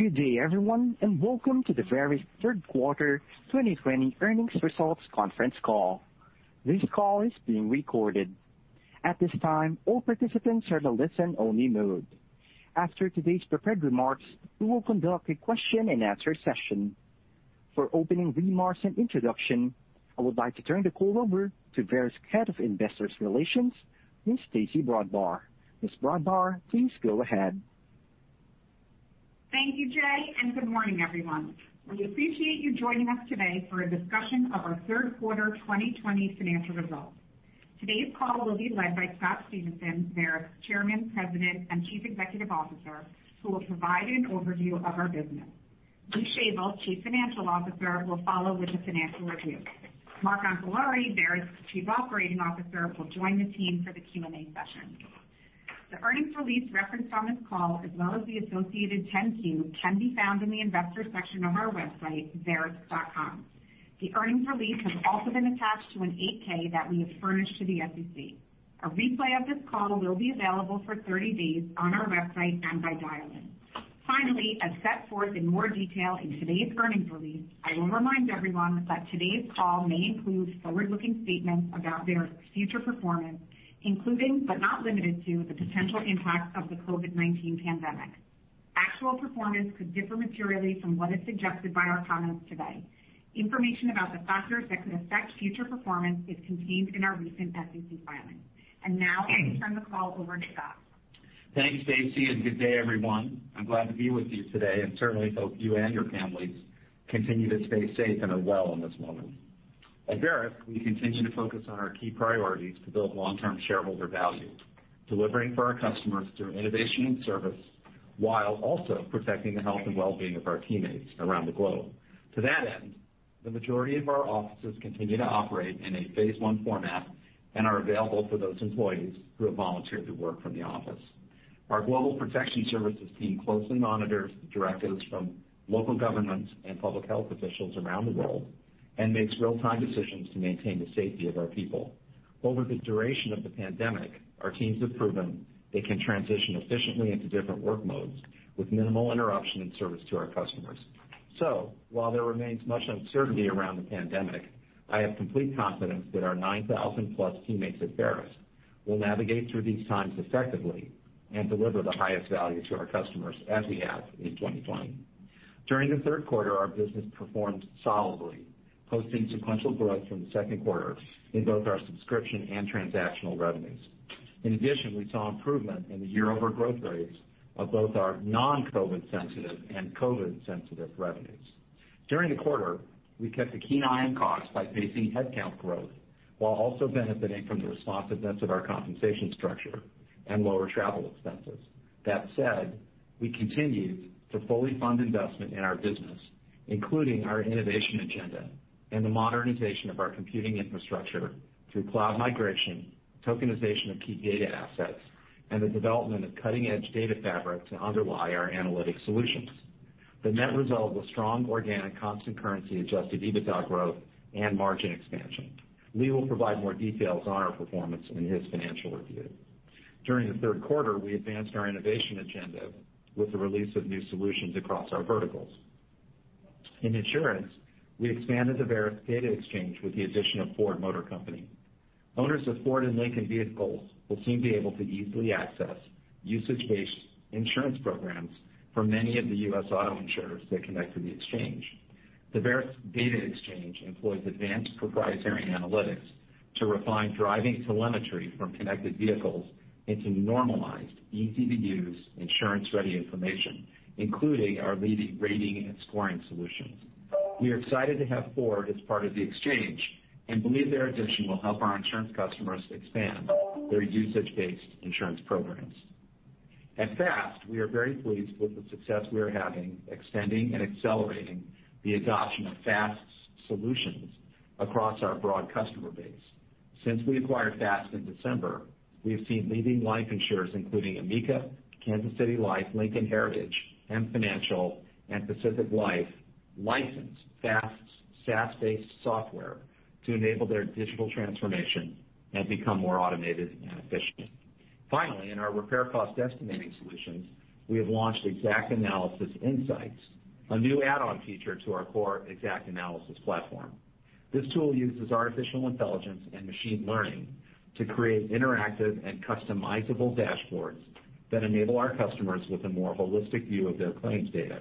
Good day, everyone, and welcome to the Verisk Q3 2020 Earnings Results Conference Call. This call is being recorded. At this time, all participants are in a listen-only mode. After today's prepared remarks, we will conduct a question and answer session. For opening remarks and introduction, I would like to turn the call over to Verisk Head of Investor Relations, Ms. Stacey Brodbar. Ms. Brodbar, please go ahead. Thank you, Jay, and good morning, everyone. We appreciate you joining us today for a discussion of our Q3 2020 financial results. Today's call will be led by Scott Stephenson, Verisk's Chairman, President, and Chief Executive Officer, who will provide an overview of our business. Lee Shavel, Chief Financial Officer, will follow with the financial review. Mark Anquillare, Verisk's Chief Operating Officer, will join the team for the Q and A session. The earnings release referenced on this call, as well as the associated 10-Q, can be found in the investor section of our website, verisk.com. The earnings release has also been attached to an 8-K that we have furnished to the SEC. A replay of this call will be available for 30 days on our website and by dial-in. Finally, as set forth in more detail in today's earnings release, I will remind everyone that today's call may include forward-looking statements about Verisk's future performance, including, but not limited to, the potential impacts of the COVID-19 pandemic. Actual performance could differ materially from what is suggested by our comments today. Information about the factors that could affect future performance is contained in our recent SEC filing. And now, I will turn the call over to Scott. Thanks, Stacey, and good day, everyone. I'm glad to be with you today and certainly hope you and your families continue to stay safe and well in this moment. At Verisk, we continue to focus on our key priorities to build long-term shareholder value, delivering for our customers through innovation and service while also protecting the health and well-being of our teammates around the globe. To that end, the majority of our offices continue to operate in a phase-one format and are available for those employees who have volunteered to work from the office. Our Global Protection Services team closely monitors directives from local governments and public health officials around the world and makes real-time decisions to maintain the safety of our people. Over the duration of the pandemic, our teams have proven they can transition efficiently into different work modes with minimal interruption in service to our customers. While there remains much uncertainty around the pandemic, I have complete confidence that our 9,000-plus teammates at Verisk will navigate through these times effectively and deliver the highest value to our customers as we have in 2020. During the Q3, our business performed solidly, posting sequential growth from the Q2 in both our subscription and transactional revenues. In addition, we saw improvement in the year-over-year growth rates of both our non-COVID-sensitive and COVID-sensitive revenues. During the quarter, we kept a keen eye on costs by pacing headcount growth while also benefiting from the responsiveness of our compensation structure and lower travel expenses. That said, we continued to fully fund investment in our business, including our innovation agenda and the modernization of our computing infrastructure through cloud migration, tokenization of key data assets, and the development of cutting-edge data fabric to underlie our analytic solutions. The net result was strong, organic, constant-currency-adjusted EBITDA growth and margin expansion. Lee will provide more details on our performance in his financial review. During the Q3, we advanced our innovation agenda with the release of new solutions across our verticals. In insurance, we expanded the Verisk Data Exchange with the addition of Ford Motor Company. Owners of Ford and Lincoln vehicles will soon be able to easily access usage-based insurance programs for many of the U.S. auto insurers that connect to the exchange. The Verisk Data Exchange employs advanced proprietary analytics to refine driving telemetry from connected vehicles into normalized, easy-to-use, insurance-ready information, including our leading rating and scoring solutions. We are excited to have Ford as part of the exchange and believe their addition will help our insurance customers expand their usage-based insurance programs. At FAST, we are very pleased with the success we are having extending and accelerating the adoption of FAST's solutions across our broad customer base. Since we acquired FAST in December, we have seen leading life insurers, including Amica, Kansas City Life, Lincoln Heritage, M Financial, and Pacific Life, license FAST's SaaS-based software to enable their digital transformation and become more automated and efficient. Finally, in our repair cost estimating solutions, we have launched XactAnalysis Insights, a new add-on feature to our core XactAnalysis platform. This tool uses artificial intelligence and machine learning to create interactive and customizable dashboards that enable our customers with a more holistic view of their claims data.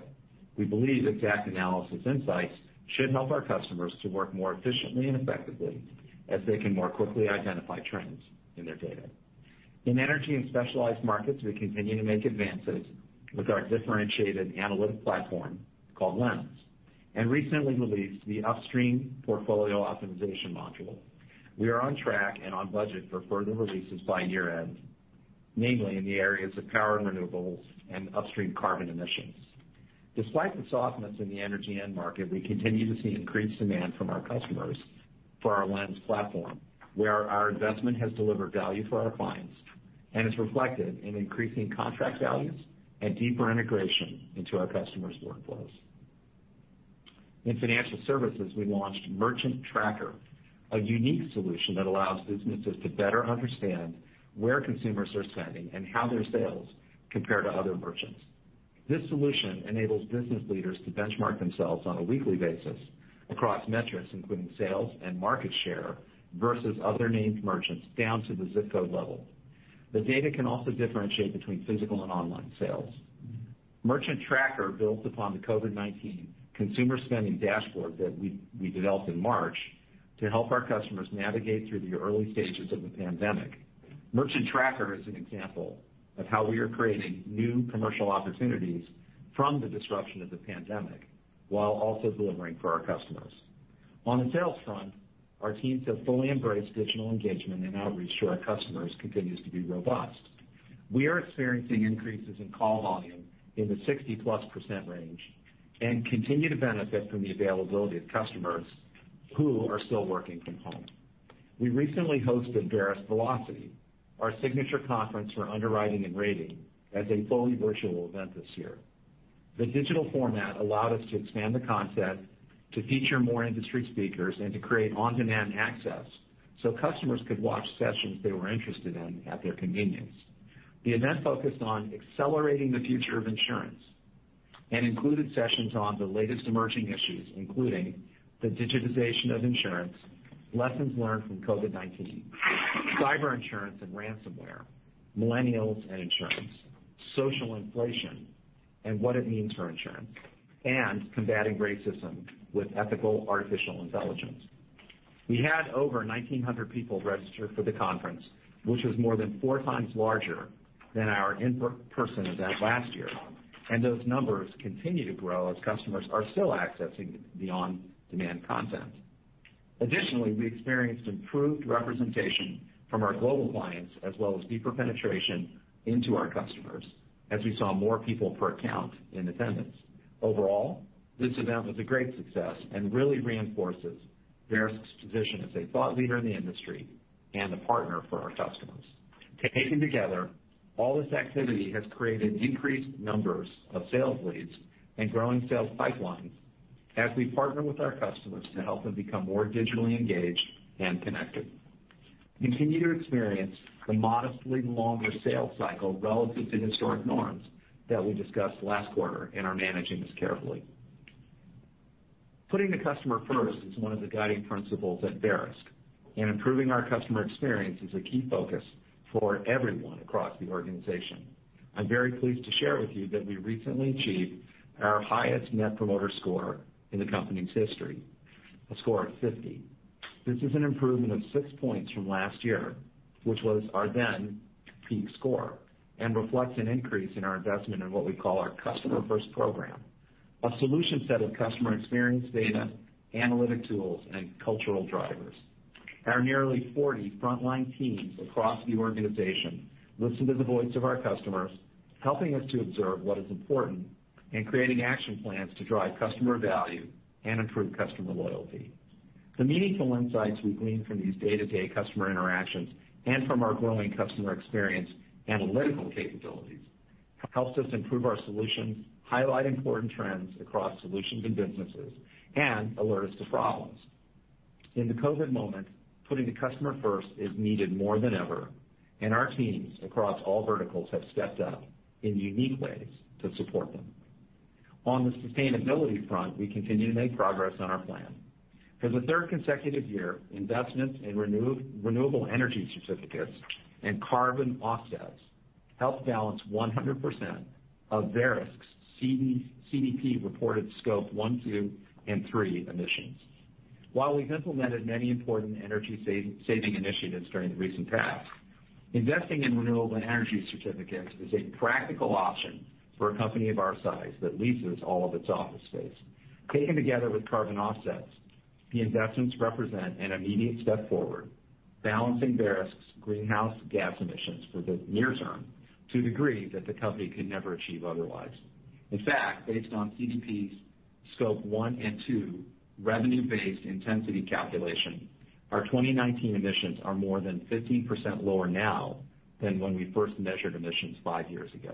We believe XactAnalysis Insights should help our customers to work more efficiently and effectively as they can more quickly identify trends in their data. In energy and specialized markets, we continue to make advances with our differentiated analytic platform called Lens, and recently released the Upstream Portfolio Optimization Module. We are on track and on budget for further releases by year-end, namely in the areas of power renewables and upstream carbon emissions. Despite the softness in the energy end market, we continue to see increased demand from our customers for our Lens platform, where our investment has delivered value for our clients and is reflected in increasing contract values and deeper integration into our customers' workflows. In financial services, we launched Merchant Tracker, a unique solution that allows businesses to better understand where consumers are spending and how their sales compare to other merchants. This solution enables business leaders to benchmark themselves on a weekly basis across metrics, including sales and market share versus other named merchants down to the zip code level. The data can also differentiate between physical and online sales. Merchant Tracker builds upon the COVID-19 Consumer Spending Dashboard that we developed in March to help our customers navigate through the early stages of the pandemic. Merchant Tracker is an example of how we are creating new commercial opportunities from the disruption of the pandemic while also delivering for our customers. On the sales front, our teams have fully embraced digital engagement, and outreach to our customers continues to be robust. We are experiencing increases in call volume in the 60-plus% range and continue to benefit from the availability of customers who are still working from home. We recently hosted Verisk Velocity, our signature conference for underwriting and rating, as a fully virtual event this year. The digital format allowed us to expand the concept to feature more industry speakers and to create on-demand access so customers could watch sessions they were interested in at their convenience. The event focused on accelerating the future of insurance and included sessions on the latest emerging issues, including the digitization of insurance, lessons learned from COVID-19, cyber insurance and ransomware, millennials and insurance, social inflation, and what it means for insurance, and combating racism with ethical artificial intelligence. We had over 1,900 people register for the conference, which was more than four times larger than our in-person event last year, and those numbers continue to grow as customers are still accessing the on-demand content. Additionally, we experienced improved representation from our global clients as well as deeper penetration into our customers as we saw more people per account in attendance. Overall, this event was a great success and really reinforces Verisk's position as a thought leader in the industry and a partner for our customers. Taken together, all this activity has created increased numbers of sales leads and growing sales pipelines as we partner with our customers to help them become more digitally engaged and connected. We continue to experience a modestly longer sales cycle relative to historic norms that we discussed last quarter in our managing this carefully. Putting the customer first is one of the guiding principles at Verisk, and improving our customer experience is a key focus for everyone across the organization. I'm very pleased to share with you that we recently achieved our highest Net Promoter Score in the company's history, a score of 50. This is an improvement of six points from last year, which was our then-peak score, and reflects an increase in our investment in what we call our customer-first program, a solution set of customer experience data, analytic tools, and cultural drivers. Our nearly 40 frontline teams across the organization listen to the voice of our customers, helping us to observe what is important and creating action plans to drive customer value and improve customer loyalty. The meaningful insights we glean from these day-to-day customer interactions and from our growing customer experience analytical capabilities help us improve our solutions, highlight important trends across solutions and businesses, and alert us to problems. In the COVID moment, putting the customer first is needed more than ever, and our teams across all verticals have stepped up in unique ways to support them. On the sustainability front, we continue to make progress on our plan. For the third consecutive year, investments in renewable energy certificates and carbon offsets helped balance 100% of Verisk's CDP reported Scope 1, 2, and 3 emissions. While we've implemented many important energy-saving initiatives during the recent past, investing in renewable energy certificates is a practical option for a company of our size that leases all of its office space. Taken together with carbon offsets, the investments represent an immediate step forward, balancing Verisk's greenhouse gas emissions for the near term to a degree that the company could never achieve otherwise. In fact, based on CDP's Scope 1 and 2 revenue-based intensity calculation, our 2019 emissions are more than 15% lower now than when we first measured emissions five years ago.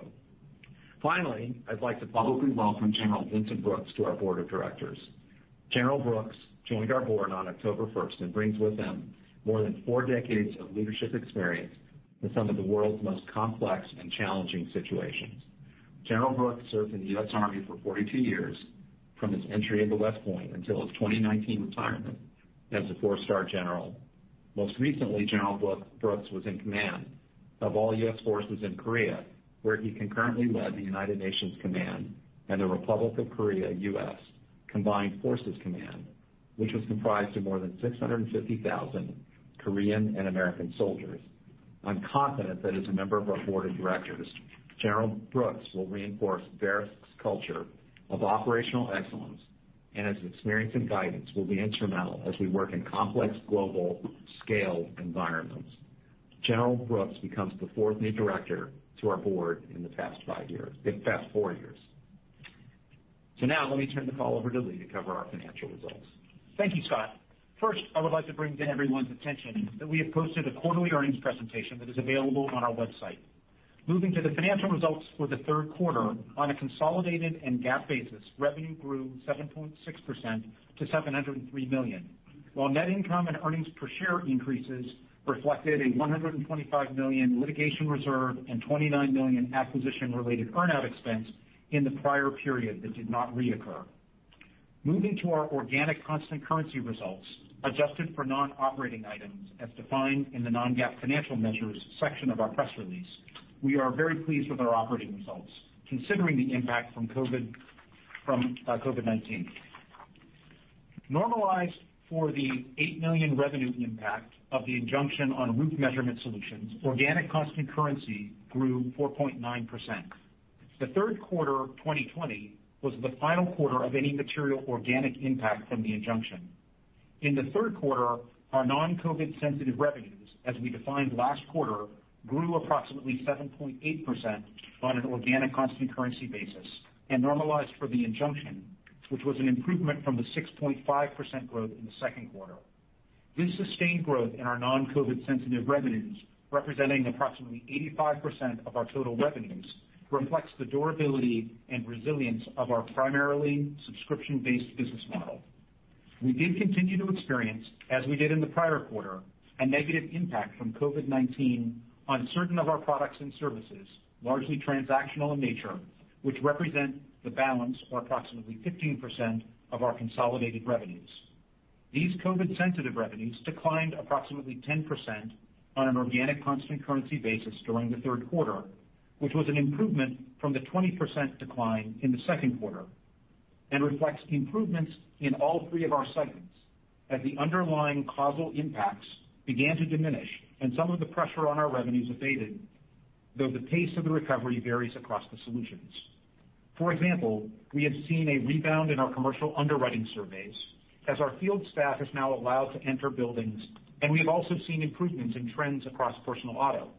Finally, I'd like to publicly welcome General Vincent K. Brooks to our board of directors. General Brooks joined our board on October 1 and brings with him more than four decades of leadership experience in some of the world's most complex and challenging situations. General Brooks served in the U.S. Army for 42 years from his entry into West Point until his 2019 retirement as a four-star general. Most recently, General Brooks was in command of all U.S. forces in Korea, where he concurrently led the United Nations Command and the Republic of Korea-U.S. Combined Forces Command, which was comprised of more than 650,000 Korean and American soldiers. I'm confident that as a member of our Board of Directors, General Brooks will reinforce Verisk's culture of operational excellence, and his experience and guidance will be instrumental as we work in complex global-scale environments. General Brooks becomes the fourth new director to our board in the past four years. So now, let me turn the call over to Lee to cover our financial results. Thank you, Scott. First, I would like to bring to everyone's attention that we have posted a quarterly earnings presentation that is available on our website. Moving to the financial results for the Q3, on a consolidated and GAAP basis, revenue grew 7.6% to $703 million, while net income and earnings per share increases reflected a $125 million litigation reserve and $29 million acquisition-related earn-out expense in the prior period that did not reoccur. Moving to our organic constant-currency results, adjusted for non-operating items as defined in the non-GAAP financial measures section of our press release, we are very pleased with our operating results, considering the impact from COVID-19. Normalized for the $8 million revenue impact of the injunction on roof measurement solutions, organic constant-currency grew 4.9%. The Q3 2020 was the final quarter of any material organic impact from the injunction. In the Q3, our non-COVID-sensitive revenues, as we defined last quarter, grew approximately 7.8% on an organic constant-currency basis and normalized for the injunction, which was an improvement from the 6.5% growth in the Q2. This sustained growth in our non-COVID-sensitive revenues, representing approximately 85% of our total revenues, reflects the durability and resilience of our primarily subscription-based business model. We did continue to experience, as we did in the prior quarter, a negative impact from COVID-19 on certain of our products and services, largely transactional in nature, which represent the balance of approximately 15% of our consolidated revenues. These COVID-sensitive revenues declined approximately 10% on an organic constant-currency basis during the Q3, which was an improvement from the 20% decline in the Q2, and reflects improvements in all three of our segments as the underlying causal impacts began to diminish and some of the pressure on our revenues abated, though the pace of the recovery varies across the solutions. For example, we have seen a rebound in our commercial underwriting surveys as our field staff is now allowed to enter buildings, and we have also seen improvements in trends across personal auto.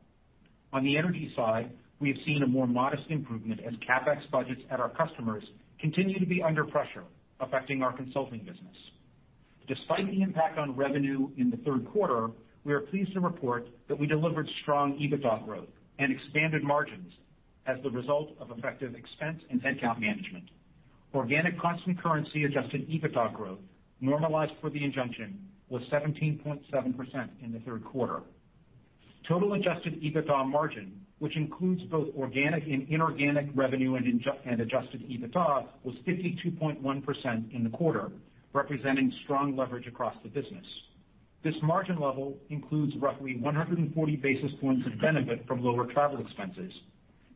On the energy side, we have seen a more modest improvement as CapEx budgets at our customers continue to be under pressure, affecting our consulting business. Despite the impact on revenue in the Q3, we are pleased to report that we delivered strong EBITDA growth and expanded margins as the result of effective expense and headcount management. Organic constant-currency adjusted EBITDA growth, normalized for the injunction, was 17.7% in the Q3. Total adjusted EBITDA margin, which includes both organic and inorganic revenue and adjusted EBITDA, was 52.1% in the quarter, representing strong leverage across the business. This margin level includes roughly 140 basis points of benefit from lower travel expenses,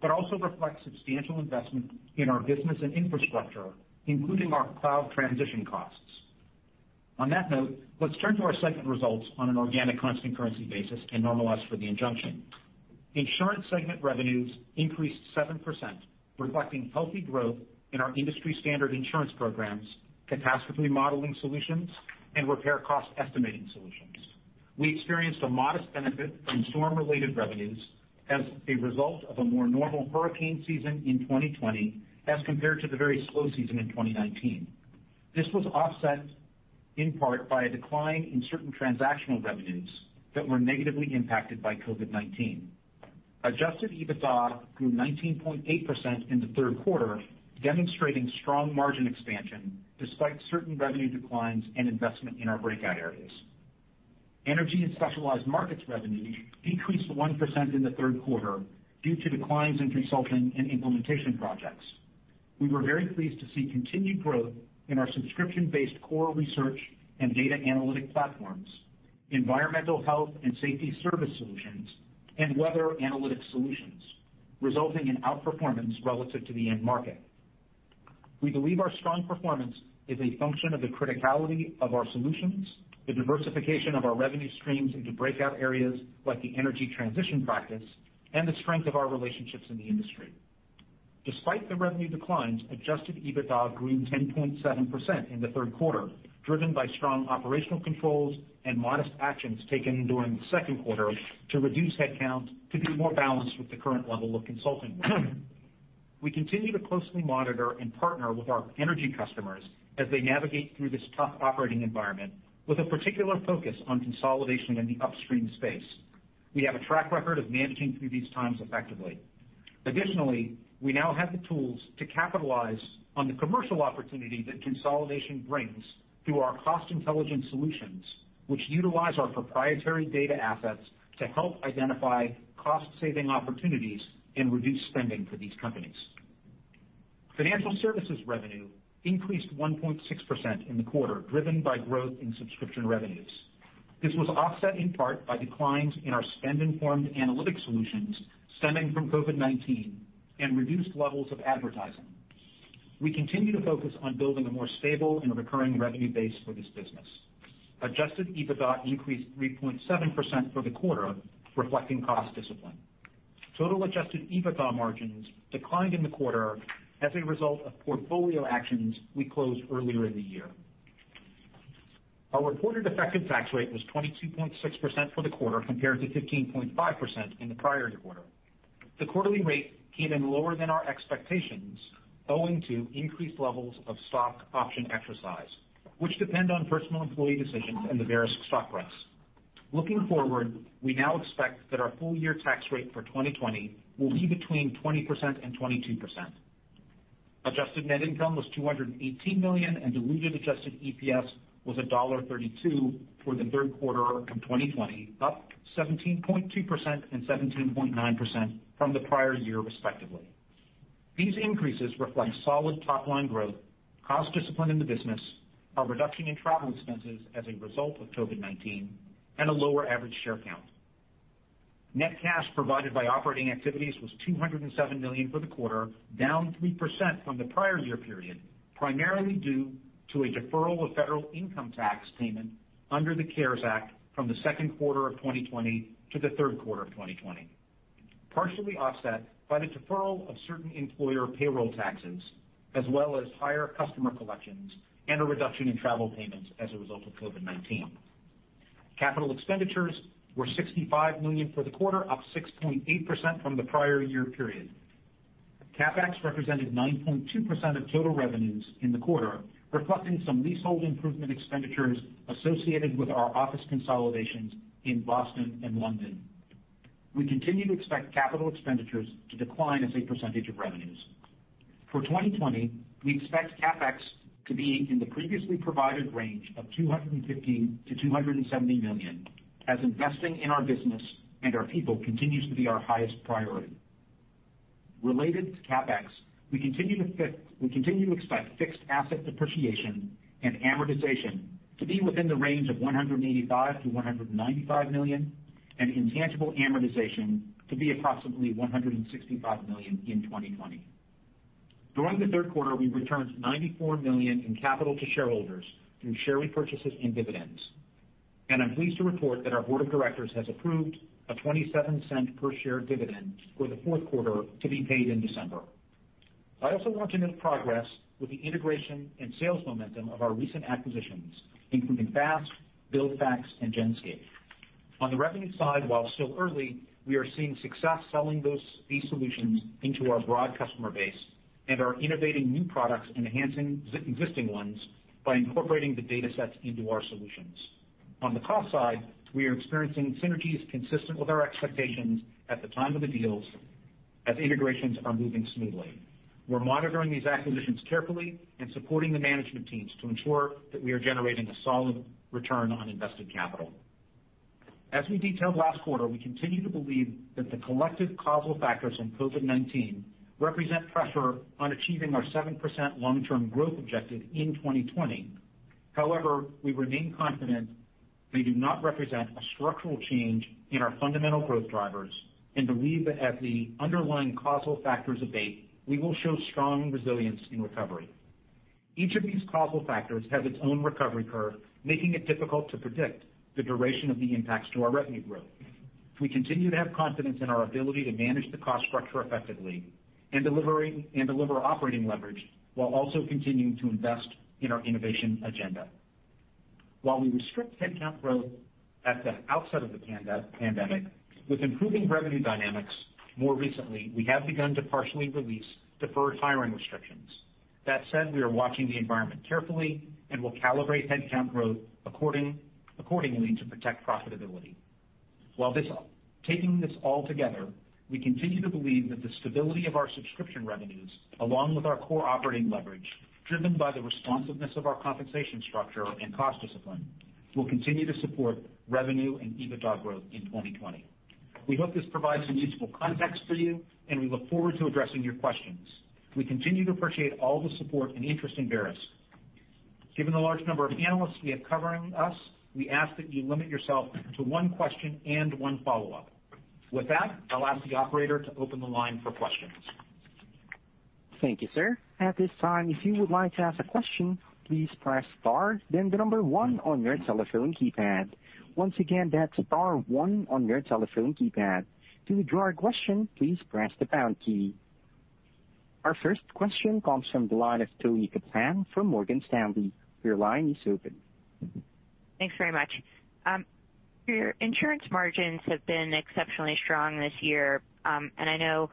but also reflects substantial investment in our business and infrastructure, including our cloud transition costs. On that note, let's turn to our segment results on an organic constant-currency basis and normalize for the injunction. Insurance segment revenues increased 7%, reflecting healthy growth in our industry-standard insurance programs, catastrophe modeling solutions, and repair cost estimating solutions. We experienced a modest benefit from storm-related revenues as a result of a more normal hurricane season in 2020 as compared to the very slow season in 2019. This was offset, in part, by a decline in certain transactional revenues that were negatively impacted by COVID-19. Adjusted EBITDA grew 19.8% in the Q3, demonstrating strong margin expansion despite certain revenue declines and investment in our breakout areas. Energy and specialized markets revenues decreased 1% in the Q3 due to declines in consulting and implementation projects. We were very pleased to see continued growth in our subscription-based core research and data analytic platforms, environmental health and safety service solutions, and weather analytic solutions, resulting in outperformance relative to the end market. We believe our strong performance is a function of the criticality of our solutions, the diversification of our revenue streams into breakout areas like the energy transition practice, and the strength of our relationships in the industry. Despite the revenue declines, Adjusted EBITDA grew 10.7% in the Q3, driven by strong operational controls and modest actions taken during the Q2 to reduce headcount to be more balanced with the current level of consulting work. We continue to closely monitor and partner with our energy customers as they navigate through this tough operating environment, with a particular focus on consolidation in the upstream space. We have a track record of managing through these times effectively. Additionally, we now have the tools to capitalize on the commercial opportunity that consolidation brings through our cost intelligence solutions, which utilize our proprietary data assets to help identify cost-saving opportunities and reduce spending for these companies. Financial services revenue increased 1.6% in the Q4, driven by growth in subscription revenues. This was offset, in part, by declines in our spend-informed analytic solutions stemming from COVID-19 and reduced levels of advertising. We continue to focus on building a more stable and recurring revenue base for this business. Adjusted EBITDA increased 3.7% for the Q4, reflecting cost discipline. Total adjusted EBITDA margins declined in the Q4 as a result of portfolio actions we closed earlier in the year. Our reported effective tax rate was 22.6% for the Q4 compared to 15.5% in the prior quarter. The quarterly rate came in lower than our expectations, owing to increased levels of stock option exercise, which depend on personal employee decisions and the Verisk stock price. Looking forward, we now expect that our full-year tax rate for 2020 will be between 20% and 22%. Adjusted net income was $218 million, and diluted adjusted EPS was $1.32 for the Q3 of 2020, up 17.2% and 17.9% from the prior year, respectively. These increases reflect solid top-line growth, cost discipline in the business, a reduction in travel expenses as a result of COVID-19, and a lower average share count. Net cash provided by operating activities was $207 million for the Q4, down 3% from the prior year period, primarily due to a deferral of federal income tax payment under the CARES Act from the Q2 of 2020 to the Q3 of 2020, partially offset by the deferral of certain employer payroll taxes, as well as higher customer collections and a reduction in travel payments as a result of COVID-19. Capital expenditures were $65 million for the Q4, up 6.8% from the prior year period. CapEx represented 9.2% of total revenues in the Q4, reflecting some leasehold improvement expenditures associated with our office consolidations in Boston and London. We continue to expect capital expenditures to decline as a percentage of revenues. For 2020, we expect CapEx to be in the previously provided range of $215 million to $270 million, as investing in our business and our people continues to be our highest priority. Related to CapEx, we continue to expect fixed asset depreciation and amortization to be within the range of $185 million to $195 million, and intangible amortization to be approximately $165 million in 2020. During the Q3, we returned $94 million in capital to shareholders through share repurchases and dividends. And I'm pleased to report that our board of directors has approved a $0.27 per share dividend for the Q4 to be paid in December. I also want to note progress with the integration and sales momentum of our recent acquisitions, including Fax, BuildFax, and Genscape. On the revenue side, while still early, we are seeing success selling these solutions into our broad customer base and are innovating new products and enhancing existing ones by incorporating the data sets into our solutions. On the cost side, we are experiencing synergies consistent with our expectations at the time of the deals, as integrations are moving smoothly. We're monitoring these acquisitions carefully and supporting the management teams to ensure that we are generating a solid return on invested capital. As we detailed last quarter, we continue to believe that the collective causal factors in COVID-19 represent pressure on achieving our 7% long-term growth objective in 2020. However, we remain confident they do not represent a structural change in our fundamental growth drivers and believe that as the underlying causal factors abate, we will show strong resilience in recovery. Each of these causal factors has its own recovery curve, making it difficult to predict the duration of the impacts to our revenue growth. We continue to have confidence in our ability to manage the cost structure effectively and deliver operating leverage while also continuing to invest in our innovation agenda. While we restrict headcount growth at the outset of the pandemic, with improving revenue dynamics, more recently, we have begun to partially release deferred hiring restrictions. That said, we are watching the environment carefully and will calibrate headcount growth accordingly to protect profitability. Taking this all together, we continue to believe that the stability of our subscription revenues, along with our core operating leverage, driven by the responsiveness of our compensation structure and cost discipline, will continue to support revenue and EBITDA growth in 2020. We hope this provides some useful context for you, and we look forward to addressing your questions. We continue to appreciate all the support and interest in Verisk. Given the large number of analysts we have covering us, we ask that you limit yourself to one question and one follow-up. With that, I'll ask the operator to open the line for questions. Thank you, sir. At this time, if you would like to ask a question, please press star, then the number one on your telephone keypad. Once again, that's star one on your telephone keypad. To withdraw a question, please press the pound key. Our first question comes from Toni Kaplan from Morgan Stanley. Your line is open. Thanks very much. Your insurance margins have been exceptionally strong this year, and I know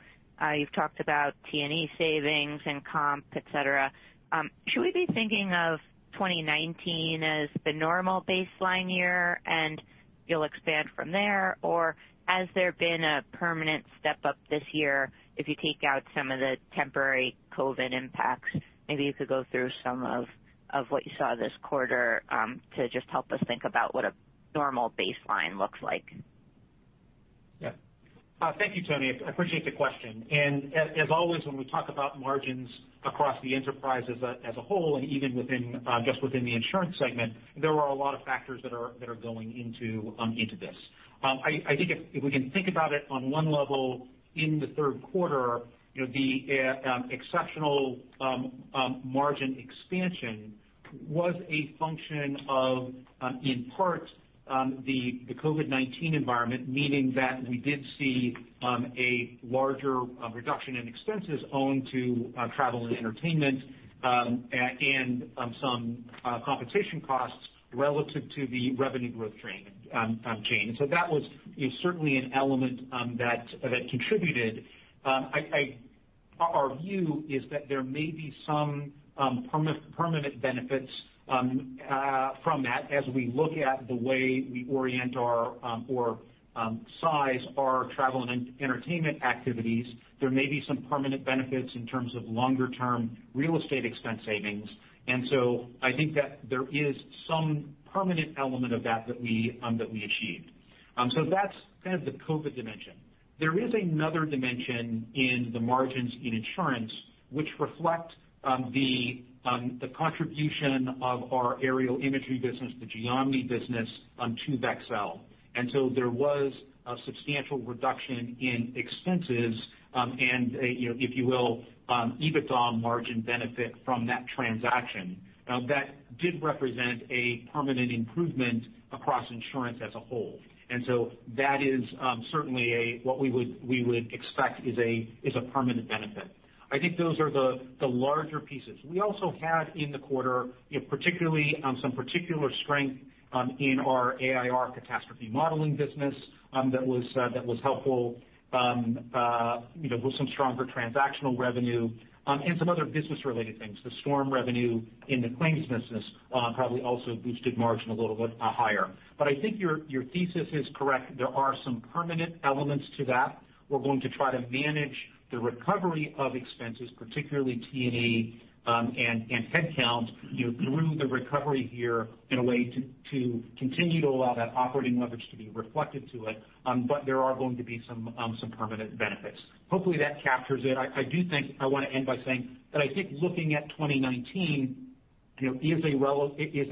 you've talked about T&E savings and comp, etc. Should we be thinking of 2019 as the normal baseline year and you'll expand from there, or has there been a permanent step up this year if you take out some of the temporary COVID impacts? Maybe you could go through some of what you saw this quarter to just help us think about what a normal baseline looks like. Yeah. Thank you, Toni. I appreciate the question. And as always, when we talk about margins across the enterprise as a whole and even just within the insurance segment, there are a lot of factors that are going into this. I think if we can think about it on one level, in the Q3, the exceptional margin expansion was a function of, in part, the COVID-19 environment, meaning that we did see a larger reduction in expenses owing to travel and entertainment and some compensation costs relative to the revenue growth chain. And so that was certainly an element that contributed. Our view is that there may be some permanent benefits from that as we look at the way we orient or size our travel and entertainment activities. There may be some permanent benefits in terms of longer-term real estate expense savings. And so I think that there is some permanent element of that that we achieved. So that's kind of the COVID dimension. There is another dimension in the margins in insurance, which reflects the contribution of our aerial imagery business, the Geomni business, to Vexcel. And so there was a substantial reduction in expenses and, if you will, EBITDA margin benefit from that transaction. Now, that did represent a permanent improvement across insurance as a whole. And so that is certainly what we would expect is a permanent benefit. I think those are the larger pieces. We also had in the quarter, particularly some particular strength in our AIR catastrophe modeling business that was helpful with some stronger transactional revenue and some other business-related things. The storm revenue in the claims business probably also boosted margin a little bit higher. But I think your thesis is correct. There are some permanent elements to that. We're going to try to manage the recovery of expenses, particularly T&E and headcount, through the recovery year in a way to continue to allow that operating leverage to be reflected to it. But there are going to be some permanent benefits. Hopefully, that captures it. I do think I want to end by saying that I think looking at 2019 is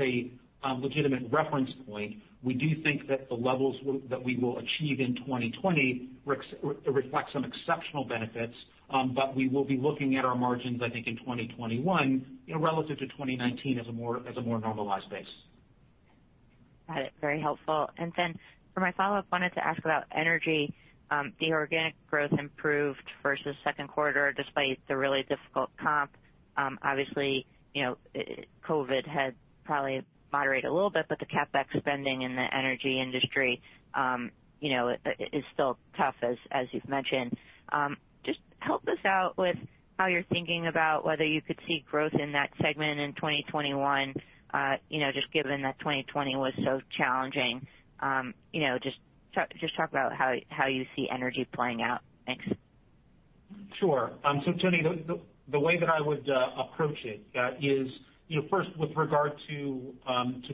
a legitimate reference point. We do think that the levels that we will achieve in 2020 reflect some exceptional benefits, but we will be looking at our margins, I think, in 2021 relative to 2019 as a more normalized base. Got it. Very helpful. And then for my follow-up, wanted to ask about energy. The organic growth improved versus Q2 despite the really difficult comp. Obviously, COVID had probably moderated a little bit, but the CapEx spending in the energy industry is still tough, as you've mentioned. Just help us out with how you're thinking about whether you could see growth in that segment in 2021, just given that 2020 was so challenging. Just talk about how you see energy playing out. Thanks. Sure. So, Tony, the way that I would approach it is, first, with regard to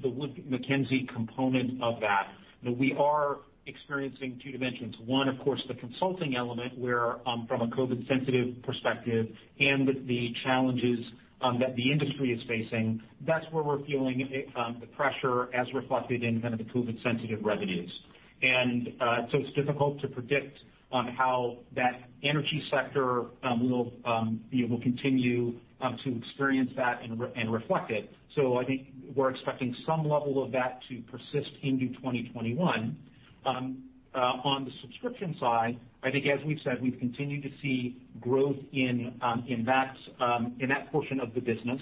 the Wood Mackenzie component of that, we are experiencing two dimensions. One, of course, the consulting element where, from a COVID-sensitive perspective and the challenges that the industry is facing, that's where we're feeling the pressure as reflected in kind of the COVID-sensitive revenues. And so it's difficult to predict how that energy sector will continue to experience that and reflect it. So I think we're expecting some level of that to persist into 2021. On the subscription side, I think, as we've said, we've continued to see growth in that portion of the business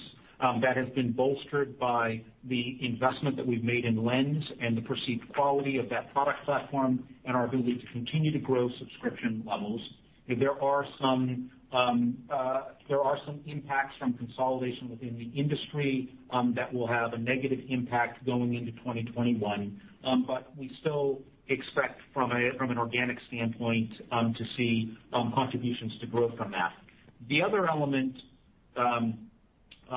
that has been bolstered by the investment that we've made in Lens and the perceived quality of that product platform and our ability to continue to grow subscription levels. There are some impacts from consolidation within the industry that will have a negative impact going into 2021, but we still expect, from an organic standpoint, to see contributions to growth from that. The other element, the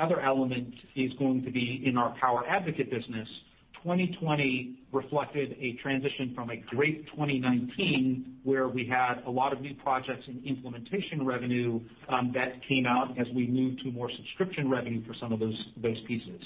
other element is going to be in our PowerAdvocate business. 2020 reflected a transition from a great 2019 where we had a lot of new projects and implementation revenue that came out as we moved to more subscription revenue for some of those pieces.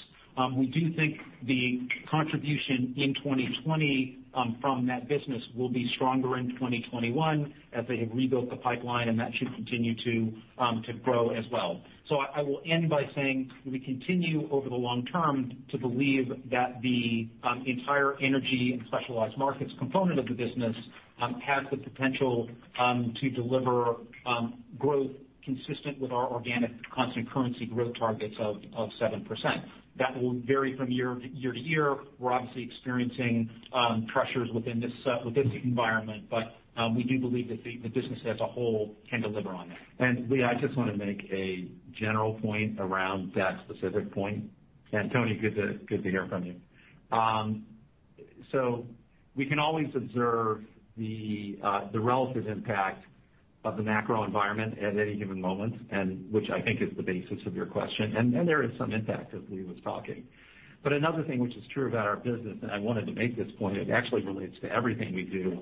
We do think the contribution in 2020 from that business will be stronger in 2021 as they have rebuilt the pipeline, and that should continue to grow as well. So, I will end by saying we continue over the long term to believe that the entire energy and specialized markets component of the business has the potential to deliver growth consistent with our organic constant currency growth targets of 7%. That will vary from year to year. We're obviously experiencing pressures within this environment, but we do believe that the business as a whole can deliver on that. And Lee, I just want to make a general point around that specific point. And Tony, good to hear from you. So we can always observe the relative impact of the macro environment at any given moment, which I think is the basis of your question. And there is some impact as Lee was talking. But another thing which is true about our business, and I wanted to make this point, it actually relates to everything we do,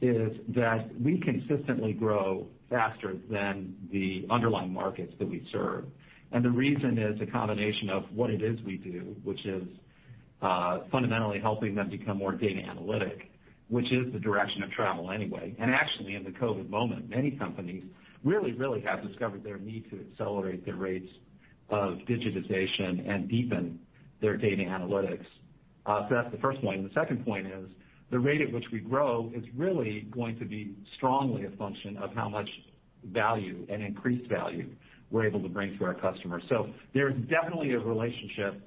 is that we consistently grow faster than the underlying markets that we serve. And the reason is a combination of what it is we do, which is fundamentally helping them become more data analytic, which is the direction of travel anyway. And actually, in the COVID moment, many companies really, really have discovered their need to accelerate their rates of digitization and deepen their data analytics. So that's the first point. And the second point is the rate at which we grow is really going to be strongly a function of how much value and increased value we're able to bring to our customers. So there is definitely a relationship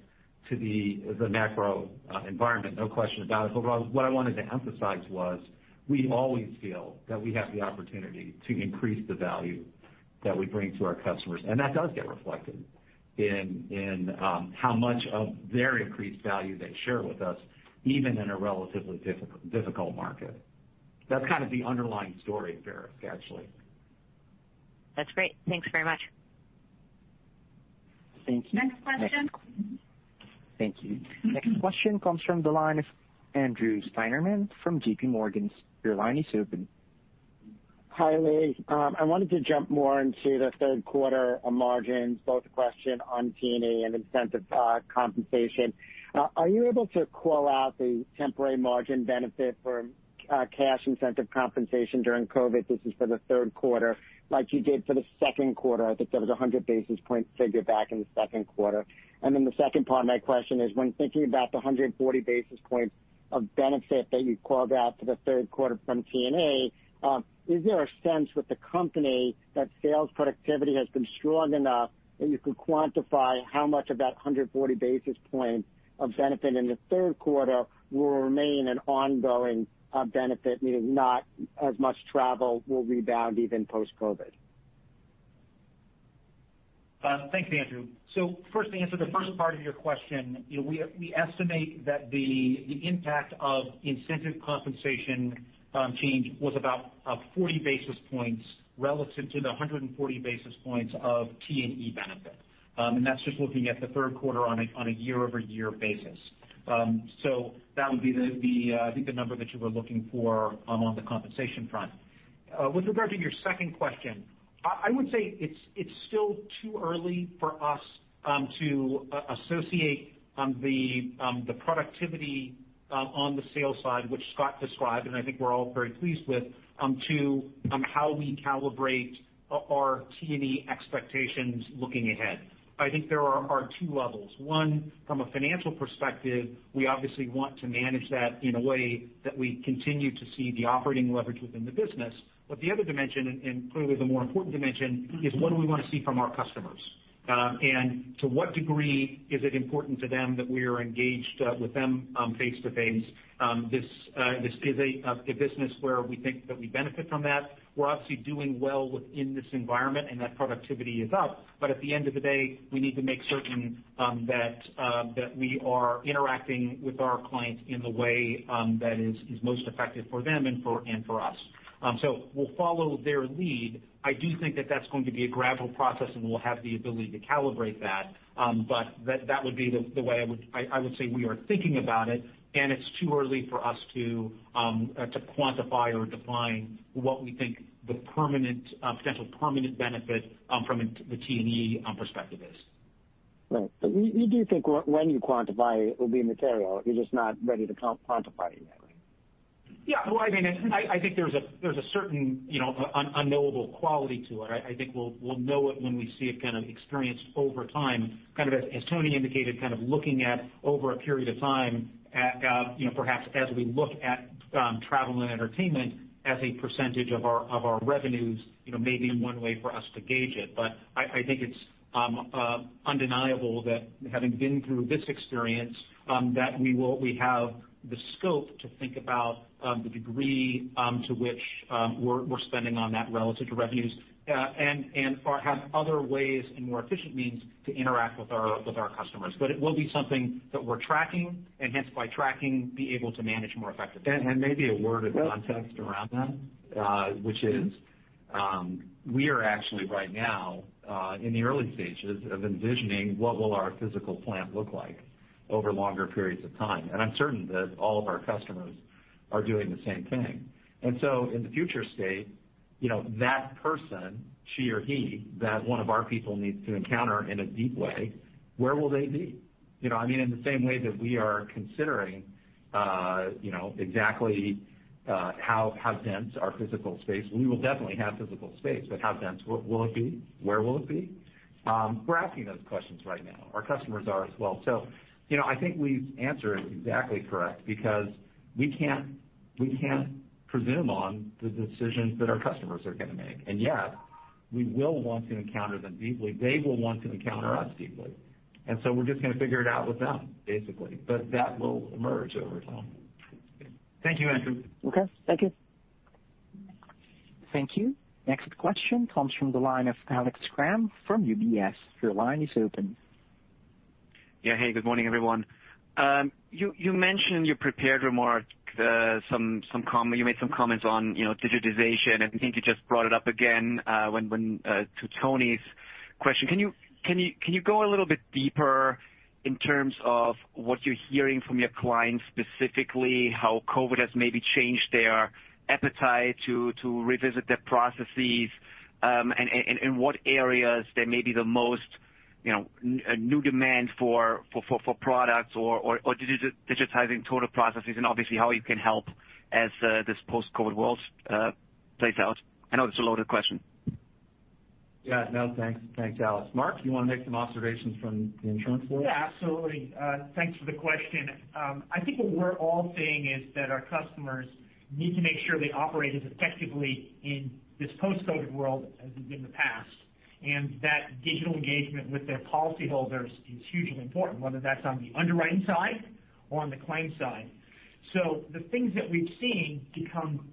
to the macro environment, no question about it. But what I wanted to emphasize was we always feel that we have the opportunity to increase the value that we bring to our customers. And that does get reflected in how much of their increased value they share with us, even in a relatively difficult market. That's kind of the underlying story of Verisk, actually. That's great. Thanks very much. Thank you. Next question. Thank you. Next question comes from Andrew Steinerman from JPMorgan. Your line is open. Hi, Lee. I wanted to jump more into the Q3 margins, both a question on T&E and incentive compensation. Are you able to call out the temporary margin benefit for cash incentive compensation during COVID? This is for the Q3, like you did for the Q2. I think there was a 100 basis points figure back in the Q2. And then the second part of my question is, when thinking about the 140 basis points of benefit that you called out for the Q3 from T&E, is there a sense with the company that sales productivity has been strong enough that you could quantify how much of that 140 basis point of benefit in the Q3 will remain an ongoing benefit, meaning not as much travel will rebound even post-COVID? Thank you, Andrew. So first, to answer the first part of your question, we estimate that the impact of incentive compensation change was about 40 basis points relative to the 140 basis points of T&E benefit. And that's just looking at the Q3 on a year-over-year basis. So that would be the, I think, the number that you were looking for on the compensation front. With regard to your second question, I would say it's still too early for us to associate the productivity on the sales side, which Scott described, and I think we're all very pleased with, to how we calibrate our T&E expectations looking ahead. I think there are two levels. One, from a financial perspective, we obviously want to manage that in a way that we continue to see the operating leverage within the business. But the other dimension, and clearly the more important dimension, is what do we want to see from our customers? And to what degree is it important to them that we are engaged with them face-to-face? This is a business where we think that we benefit from that. We're obviously doing well within this environment, and that productivity is up. But at the end of the day, we need to make certain that we are interacting with our clients in the way that is most effective for them and for us. So we'll follow their lead. I do think that that's going to be a gradual process, and we'll have the ability to calibrate that. But that would be the way I would say we are thinking about it. And it's too early for us to quantify or define what we think the potential permanent benefit from the T&E perspective is. Right. But you do think when you quantify it will be material. You're just not ready to quantify it yet. Yeah. Well, I mean, I think there's a certain unknowable quality to it. I think we'll know it when we see it kind of experienced over time. Kind of as Toni indicated, kind of looking at over a period of time, perhaps as we look at travel and entertainment as a percentage of our revenues, maybe one way for us to gauge it. But I think it's undeniable that, having been through this experience, that we have the scope to think about the degree to which we're spending on that relative to revenues and have other ways and more efficient means to interact with our customers. But it will be something that we're tracking and, hence, by tracking, be able to manage more effectively. And maybe a word of context around that, which is we are actually, right now, in the early stages of envisioning what will our physical plant look like over longer periods of time. And I'm certain that all of our customers are doing the same thing. And so in the future state, that person, she or he, that one of our people needs to encounter in a deep way, where will they be? I mean, in the same way that we are considering exactly how dense our physical space, we will definitely have physical space. But how dense will it be? Where will it be? We're asking those questions right now. Our customers are as well. So I think Lee's answer is exactly correct because we can't presume on the decisions that our customers are going to make. And yet, we will want to encounter them deeply. They will want to encounter us deeply. And so we're just going to figure it out with them, basically. But that will emerge over time. Thank you, Andrew. Okay. Thank you. Thank you. Next question comes from Alex Kramm of UBS. Your line is open. Yeah. Hey, good morning, everyone. You mentioned in your prepared remark some comments. You made some comments on digitization. And I think you just brought it up again to Tony's question. Can you go a little bit deeper in terms of what you're hearing from your clients specifically, how COVID has maybe changed their appetite to revisit their processes, and in what areas there may be the most new demand for products or digitizing total processes, and obviously how you can help as this post-COVID world plays out? I know that's a loaded question. Yeah. No, thanks. Thanks, Alex. Mark, you want to make some observations from the insurance world? Yeah, absolutely. Thanks for the question. I think what we're all seeing is that our customers need to make sure they operate as effectively in this post-COVID world as they did in the past. And that digital engagement with their policyholders is hugely important, whether that's on the underwriting side or on the claim side. So the things that we've seen become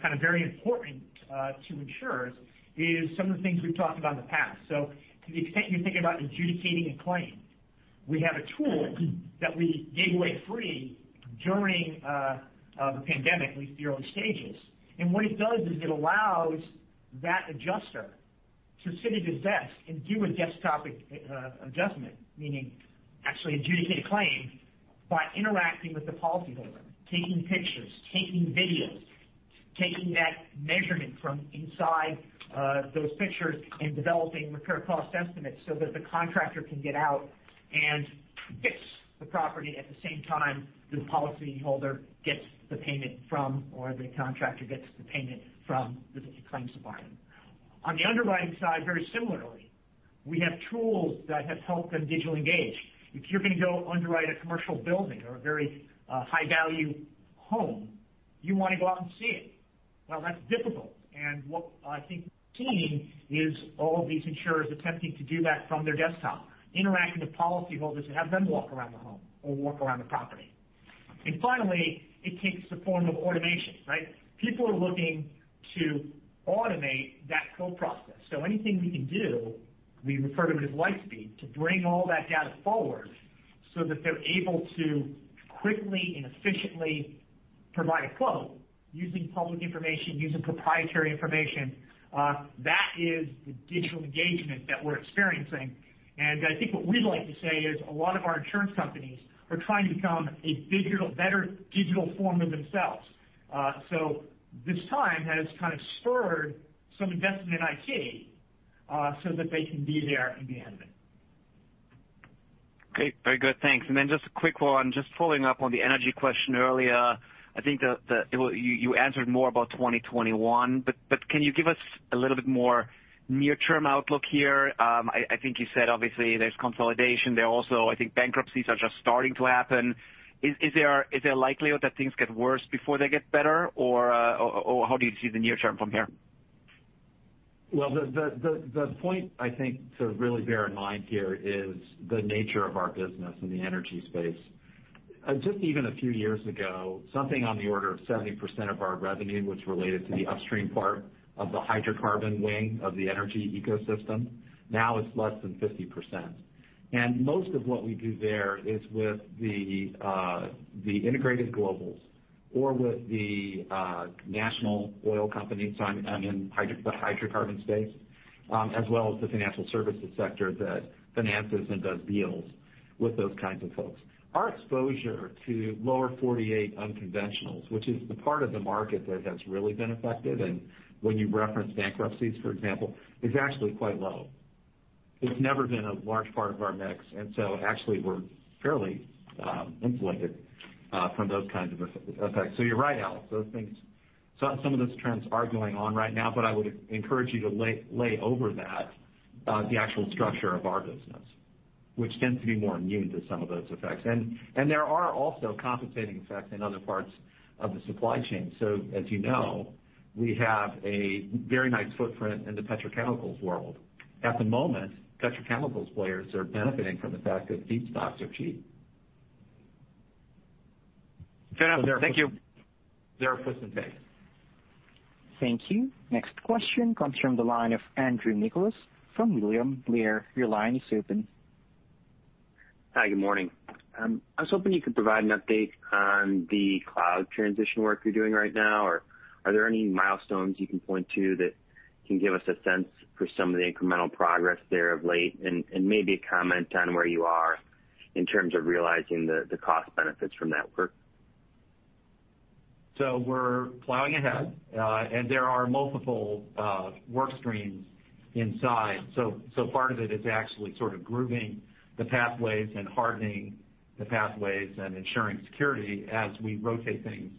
kind of very important to insurers is some of the things we've talked about in the past. So to the extent you're thinking about adjudicating a claim, we have a tool that we gave away free during the pandemic, at least the early stages. And what it does is it allows that adjuster to sit at his desk and do a desktop adjustment, meaning actually adjudicate a claim by interacting with the policyholder, taking pictures, taking videos, taking that measurement from inside those pictures, and developing repair cost estimates so that the contractor can get out and fix the property at the same time the policyholder gets the payment from or the contractor gets the payment from the claims department. On the underwriting side, very similarly, we have tools that have helped them digitally engage. If you're going to go underwrite a commercial building or a very high-value home, you want to go out and see it. Well, that's difficult. And what I think is key is all of these insurers attempting to do that from their desktop, interacting with policyholders to have them walk around the home or walk around the property. And finally, it takes the form of automation, right? People are looking to automate that whole process. So anything we can do, we refer to it as LightSpeed, to bring all that data forward so that they're able to quickly and efficiently provide a quote using public information, using proprietary information. That is the digital engagement that we're experiencing. I think what we'd like to say is a lot of our insurance companies are trying to become a better digital form of themselves. So this time has kind of spurred some investment in IT so that they can be there in the end of it. Okay. Very good. Thanks. And then just a quick one, just following up on the energy question earlier, I think that you answered more about 2021. But can you give us a little bit more near-term outlook here? I think you said, obviously, there's consolidation. There are also, I think, bankruptcies are just starting to happen. Is there a likelihood that things get worse before they get better, or how do you see the near term from here? Well, the point I think to really bear in mind here is the nature of our business in the energy space. Just even a few years ago, something on the order of 70% of our revenue was related to the upstream part of the hydrocarbon wing of the energy ecosystem. Now it's less than 50%. And most of what we do there is with the integrated globals or with the national oil company, the hydrocarbon space, as well as the financial services sector that finances and does deals with those kinds of folks. Our exposure to lower 48 unconventionals, which is the part of the market that has really been affected when you reference bankruptcies, for example, is actually quite low. It's never been a large part of our mix. And so actually, we're fairly insulated from those kinds of effects. So you're right, Alex. Some of those trends are going on right now. But I would encourage you to lay over that the actual structure of our business, which tends to be more immune to some of those effects. And there are also compensating effects in other parts of the supply chain. So as you know, we have a very nice footprint in the petrochemicals world. At the moment, petrochemicals players are benefiting from the fact that feedstocks are cheap. Fair enough. Thank you. There are pros and cons. Thank you. Next question comes from the line of Andrew Nicholas from William Blair. Your line is open. Hi, good morning. I was hoping you could provide an update on the cloud transition work you're doing right now. Are there any milestones you can point to that can give us a sense for some of the incremental progress there of late and maybe a comment on where you are in terms of realizing the cost benefits from that work? So we're plowing ahead. And there are multiple work streams inside. So part of it is actually sort of grooving the pathways and hardening the pathways and ensuring security as we rotate things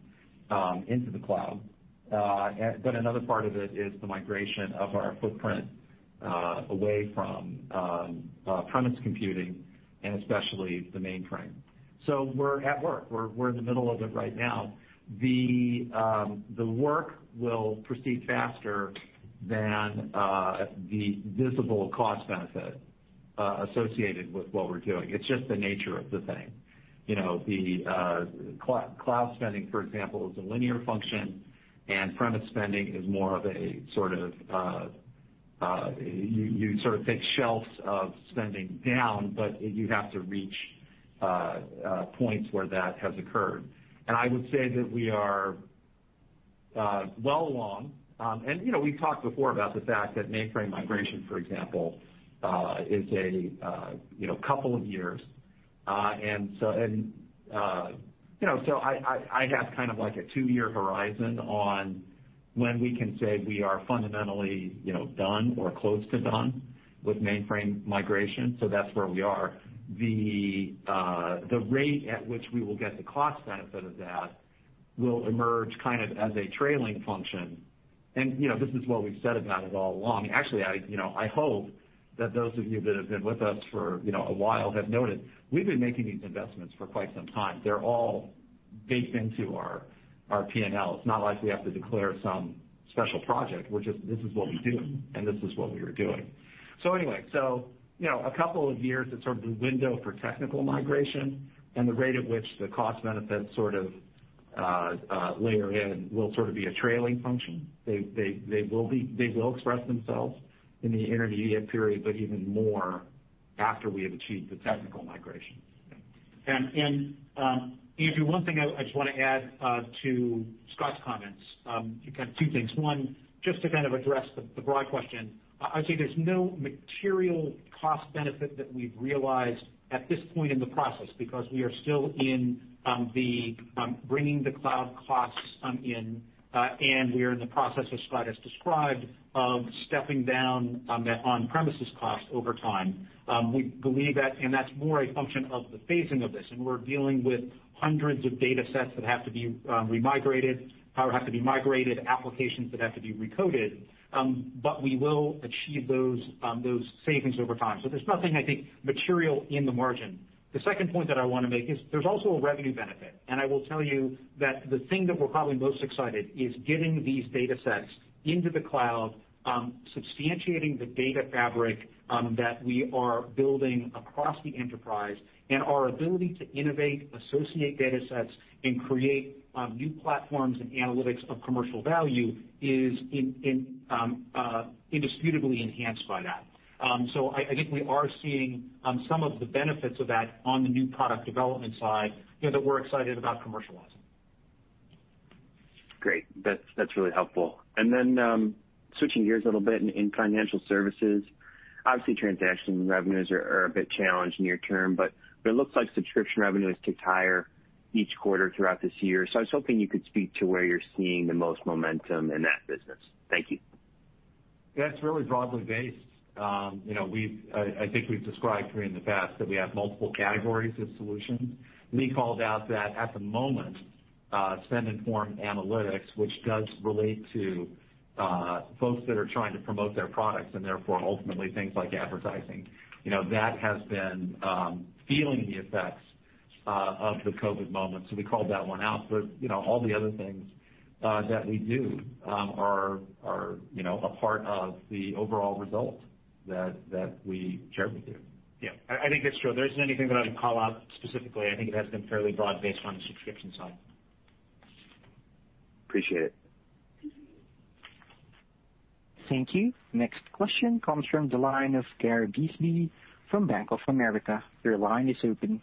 into the cloud. But another part of it is the migration of our footprint away from on-premise computing and especially the mainframe. So we're at work. We're in the middle of it right now. The work will proceed faster than the visible cost benefit associated with what we're doing. It's just the nature of the thing. The cloud spending, for example, is a linear function. And on-premise spending is more of a sort of you sort of take levels of spending down, but you have to reach points where that has occurred. And I would say that we are well along. And we've talked before about the fact that mainframe migration, for example, is a couple of years. And so I have kind of like a two-year horizon on when we can say we are fundamentally done or close to done with mainframe migration. So that's where we are. The rate at which we will get the cost benefit of that will emerge kind of as a trailing function. And this is what we've said about it all along. Actually, I hope that those of you that have been with us for a while have noted we've been making these investments for quite some time. They're all baked into our P&L. It's not like we have to declare some special project. This is what we do, and this is what we were doing. So anyway, so a couple of years is sort of the window for technical migration. And the rate at which the cost benefits sort of layer in will sort of be a trailing function. They will express themselves in the intermediate period, but even more after we have achieved the technical migration. And Andrew, one thing I just want to add to Scott's comments. Two things. One, just to kind of address the broad question, I would say there's no material cost benefit that we've realized at this point in the process because we are still in bringing the cloud costs in. And we are in the process, as Scott has described, of stepping down that on-premises cost over time. We believe that, and that's more a function of the phasing of this. And we're dealing with hundreds of data sets that have to be remigrated, powers have to be migrated, applications that have to be recoded. But we will achieve those savings over time. So there's nothing, I think, material in the margin. The second point that I want to make is there's also a revenue benefit. And I will tell you that the thing that we're probably most excited is getting these data sets into the cloud, substantiating the data fabric that we are building across the enterprise. And our ability to innovate, associate data sets, and create new platforms and analytics of commercial value is indisputably enhanced by that. So I think we are seeing some of the benefits of that on the new product development side that we're excited about commercializing. Great. That's really helpful. And then switching gears a little bit in financial services, obviously, transaction revenues are a bit challenged near term, but it looks like subscription revenue has ticked higher each quarter throughout this year. So I was hoping you could speak to where you're seeing the most momentum in that business. Thank you. That's really broadly based. I think we've described here in the past that we have multiple categories of solutions. Lee called out that at the moment, spending form analytics, which does relate to folks that are trying to promote their products and therefore ultimately things like advertising, that has been feeling the effects of the COVID moment. So we called that one out. But all the other things that we do are a part of the overall result that we shared with you. Yeah. I think that's true. There isn't anything that I would call out specifically. I think it has been fairly broad based on the subscription side. Appreciate it. Thank you. Next question comes from the line of Gary Bisbee from Bank of America. Your line is open.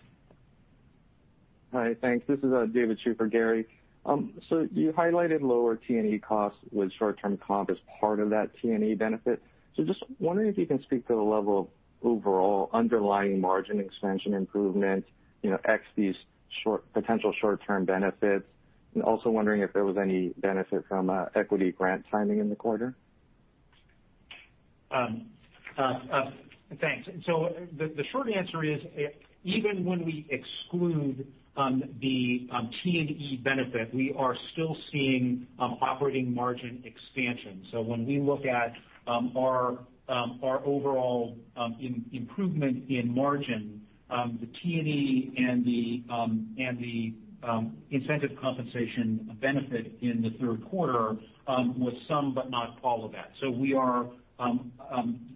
Hi, thanks. This is David Chu, Gary. So you highlighted lower T&E costs with short-term comp as part of that T&E benefit. So just wondering if you can speak to the level of overall underlying margin expansion improvement, ex these potential short-term benefits. And also wondering if there was any benefit from equity grant timing in the quarter. Thanks. So the short answer is, even when we exclude the T&E benefit, we are still seeing operating margin expansion. So when we look at our overall improvement in margin, the T&E and the incentive compensation benefit in the third quarter was some, but not all of that. So we are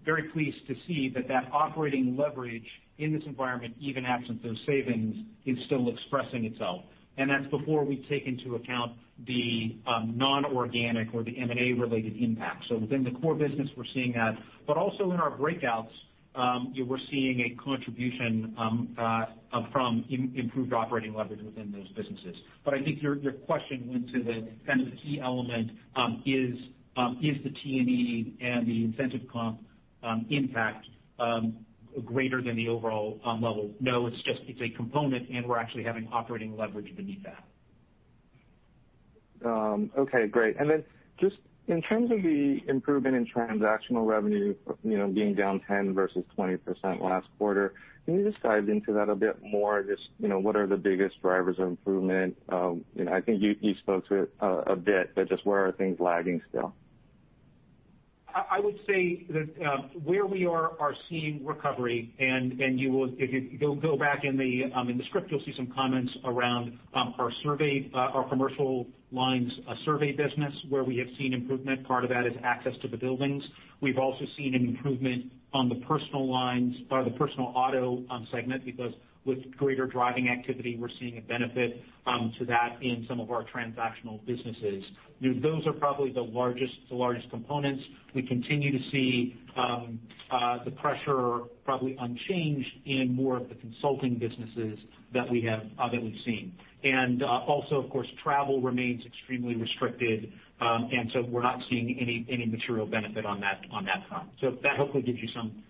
very pleased to see that that operating leverage in this environment, even absent those savings, is still expressing itself. And that's before we take into account the non-organic or the M&A-related impact. So within the core business, we're seeing that. But also in our breakouts, we're seeing a contribution from improved operating leverage within those businesses. But I think your question went to the kind of key element: is the T&E and the incentive comp impact greater than the overall level? No, it's just a component, and we're actually having operating leverage beneath that. Okay. Great. And then just in terms of the improvement in transactional revenue being down 10% versus 20% last quarter, can you just dive into that a bit more? Just what are the biggest drivers of improvement? I think you spoke to it a bit, but just where are things lagging still? I would say that where we are seeing recovery, and if you go back in the script, you'll see some comments around our commercial lines survey business, where we have seen improvement. Part of that is access to the buildings. We've also seen an improvement on the personal auto segment because with greater driving activity, we're seeing a benefit to that in some of our transactional businesses. Those are probably the largest components. We continue to see the pressure probably unchanged in more of the consulting businesses that we've seen. And also, of course, travel remains extremely restricted. And so we're not seeing any material benefit on that front. So that hopefully gives you some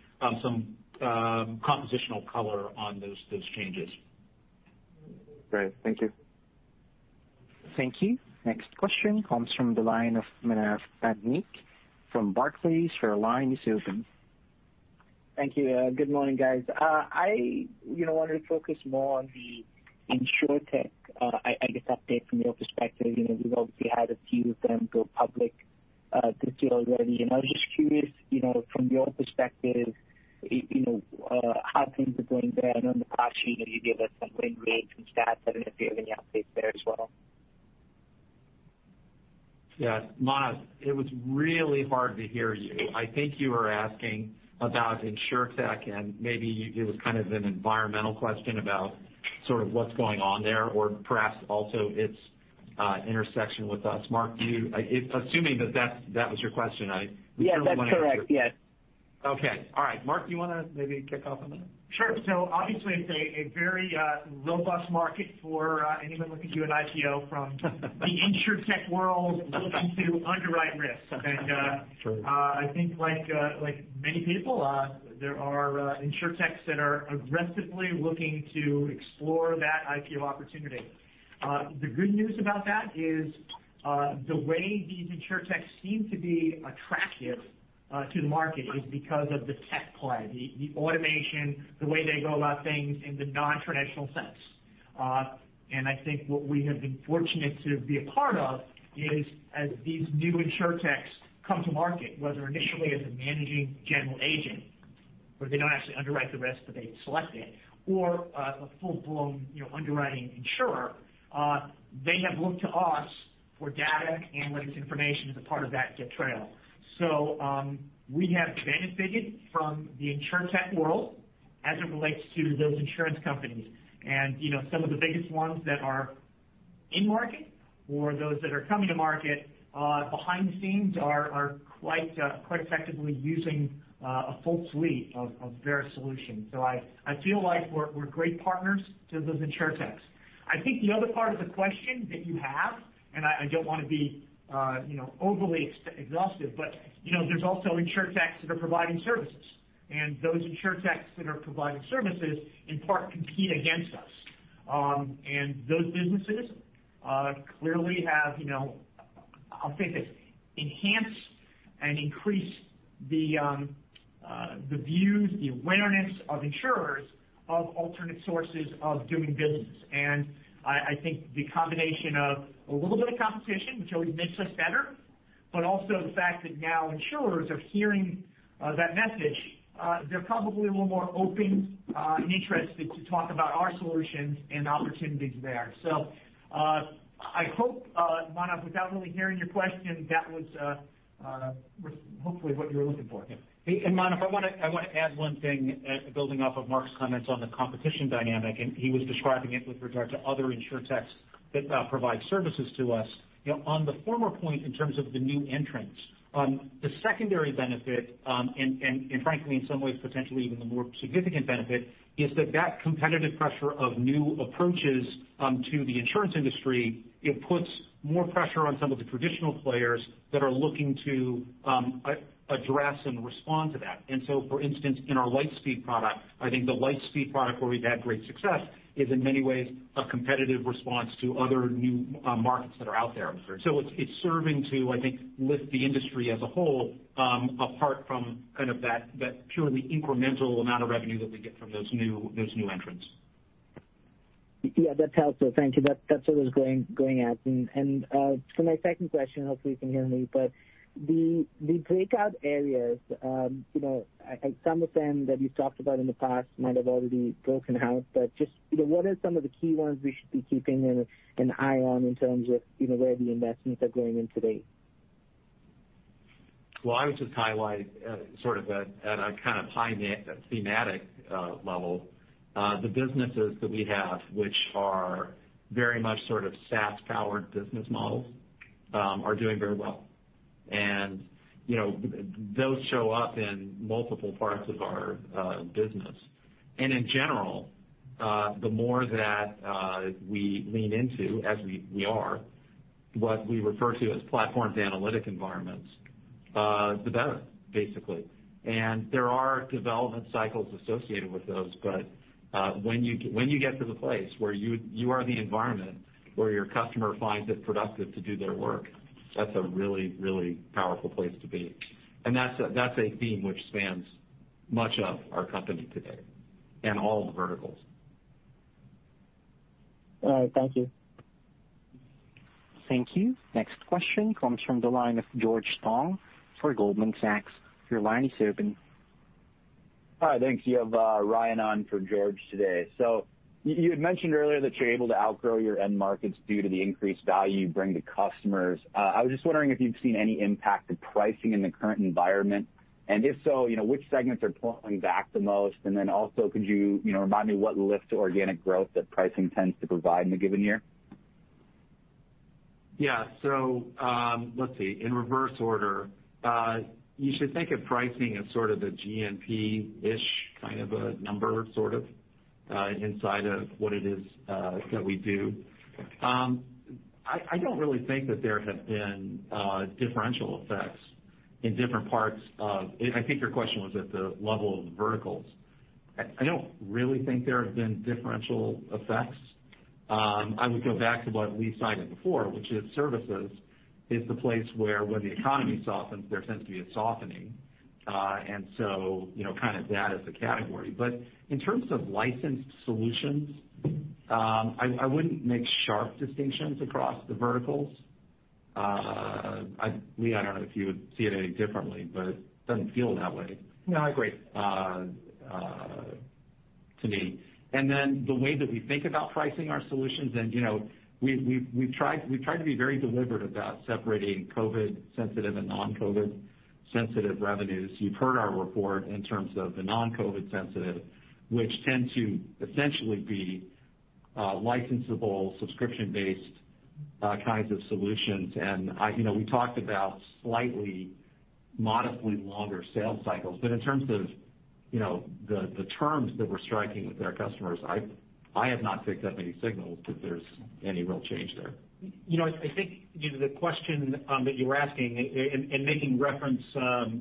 compositional color on those changes. Great. Thank you. Thank you. Next question comes from Manav Patnaik from Barclays. His line is open. Thank you. Good morning, guys. I wanted to focus more on the InsurTech. I guess update from your perspective. We've obviously had a few of them go public this year already. And I was just curious, from your perspective, how things are going there? I know in the past, you gave us some win rates and Staats. I don't know if you have any updates there as well. Yeah. It was really hard to hear you. I think you were asking about InsurTech, and maybe it was kind of an environmental question about sort of what's going on there or perhaps also its intersection with us. Mark, assuming that that was your question, I really wanted to know. Yes. That's correct. Yes. Okay. All right. Mark, do you want to maybe kick off on that? Sure. So obviously, it's a very robust market for anyone looking to do an IPO from the InsurTech world looking to underwrite risk. And I think, like many people, there are InsurTechs that are aggressively looking to explore that IPO opportunity. The good news about that is the way these InsurTechs seem to be attractive to the market is because of the tech play, the automation, the way they go about things in the non-traditional sense. And I think what we have been fortunate to be a part of is, as these new InsurTechs come to market, whether initially as a managing general agent, where they don't actually underwrite the risk, but they select it, or a full-blown underwriting insurer, they have looked to us for data analytics information as a part of that trail. So we have benefited from the InsurTech world as it relates to those insurance companies. And some of the biggest ones that are in market or those that are coming to market behind the scenes are quite effectively using a full suite of various solutions. So I feel like we're great partners to those InsurTechs. I think the other part of the question that you have, and I don't want to be overly exhaustive, but there's also InsurTechs that are providing services. And those InsurTechs that are providing services, in part, compete against us. And those businesses clearly have, I'll say this, enhanced and increased the views, the awareness of insurers of alternate sources of doing business. And I think the combination of a little bit of competition, which always makes us better, but also the fact that now insurers are hearing that message, they're probably a little more open and interested to talk about our solutions and opportunities there. So I hope, Manav, without really hearing your question, that was hopefully what you were looking for. And Manav, I want to add one thing building off of Mark's comments on the competition dynamic. And he was describing it with regard to other insurtechs that provide services to us. On the former point, in terms of the new entrants, the secondary benefit, and frankly, in some ways, potentially even the more significant benefit, is that that competitive pressure of new approaches to the insurance industry puts more pressure on some of the traditional players that are looking to address and respond to that. And so, for instance, in our LightSpeed product, I think the LightSpeed product, where we've had great success, is in many ways a competitive response to other new markets that are out there. So it's serving to, I think, lift the industry as a whole apart from kind of that purely incremental amount of revenue that we get from those new entrants. Yeah. That's helpful. Thank you. That's what was going on. And for my second question, hopefully, you can hear me. But the breakout areas, some of them that you've talked about in the past might have already broken out, but just what are some of the key ones we should be keeping an eye on in terms of where the investments are going on today? Well, I would just highlight sort of at a kind of high thematic level, the businesses that we have, which are very much sort of SaaS-powered business models, are doing very well. And those show up in multiple parts of our business. In general, the more that we lean into, as we are, what we refer to as platforms analytic environments, the better, basically. And there are development cycles associated with those. But when you get to the place where you are the environment where your customer finds it productive to do their work, that's a really, really powerful place to be. And that's a theme which spans much of our company today and all the verticals. All right. Thank you. Thank you. Next question comes from the line of George Tong for Goldman Sachs. Your line is open. Hi. Thanks. You have Ryan Wong for George today. So you had mentioned earlier that you're able to outgrow your end markets due to the increased value you bring to customers. I was just wondering if you've seen any impact of pricing in the current environment, and if so, which segments are pulling back the most? And then also, could you remind me what lift to organic growth that pricing tends to provide in a given year? Yeah. So let's see. In reverse order, you should think of pricing as sort of the GNP-ish kind of a number sort of inside of what it is that we do. I don't really think that there have been differential effects in different parts of. I think your question was at the level of verticals. I don't really think there have been differential effects. I would go back to what Lee cited before, which is services is the place where when the economy softens, there tends to be a softening. And so kind of that as a category. But in terms of licensed solutions, I wouldn't make sharp distinctions across the verticals. Lee, I don't know if you would see it any differently, but it doesn't feel that way. No, I agree. To me. And then the way that we think about pricing our solutions, and we've tried to be very deliberate about separating COVID-sensitive and non-COVID-sensitive revenues. You've heard our report in terms of the non-COVID-sensitive, which tend to essentially be licensable, subscription-based kinds of solutions. And we talked about slightly modestly longer sales cycles. But in terms of the terms that we're striking with our customers, I have not picked up any signals that there's any real change there. I think the question that you were asking and making reference,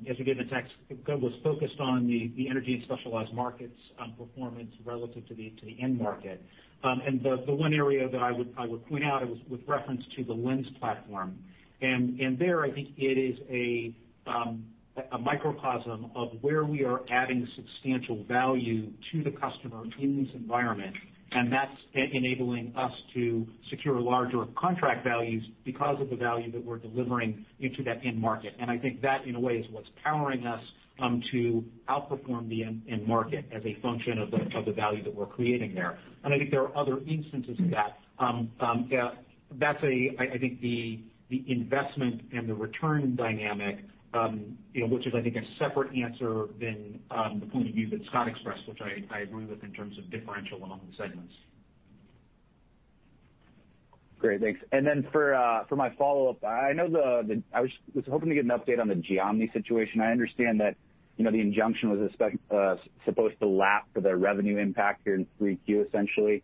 as you gave the text, was focused on the energy and specialized markets performance relative to the end market. And the one area that I would point out was with reference to the Lens platform. And there, I think it is a microcosm of where we are adding substantial value to the customer in this environment, and that's enabling us to secure larger contract values because of the value that we're delivering into that end market. And I think that, in a way, is what's powering us to outperform the end market as a function of the value that we're creating there. And I think there are other instances of that. That's, I think, the investment and the return dynamic, which is, I think, a separate answer than the point of view that Scott expressed, which I agree with in terms of differential among the segments. Great. Thanks. And then for my follow-up, I know I was hoping to get an update on the Geomni situation. I understand that the injunction was supposed to lap the revenue impact here in 3Q, essentially.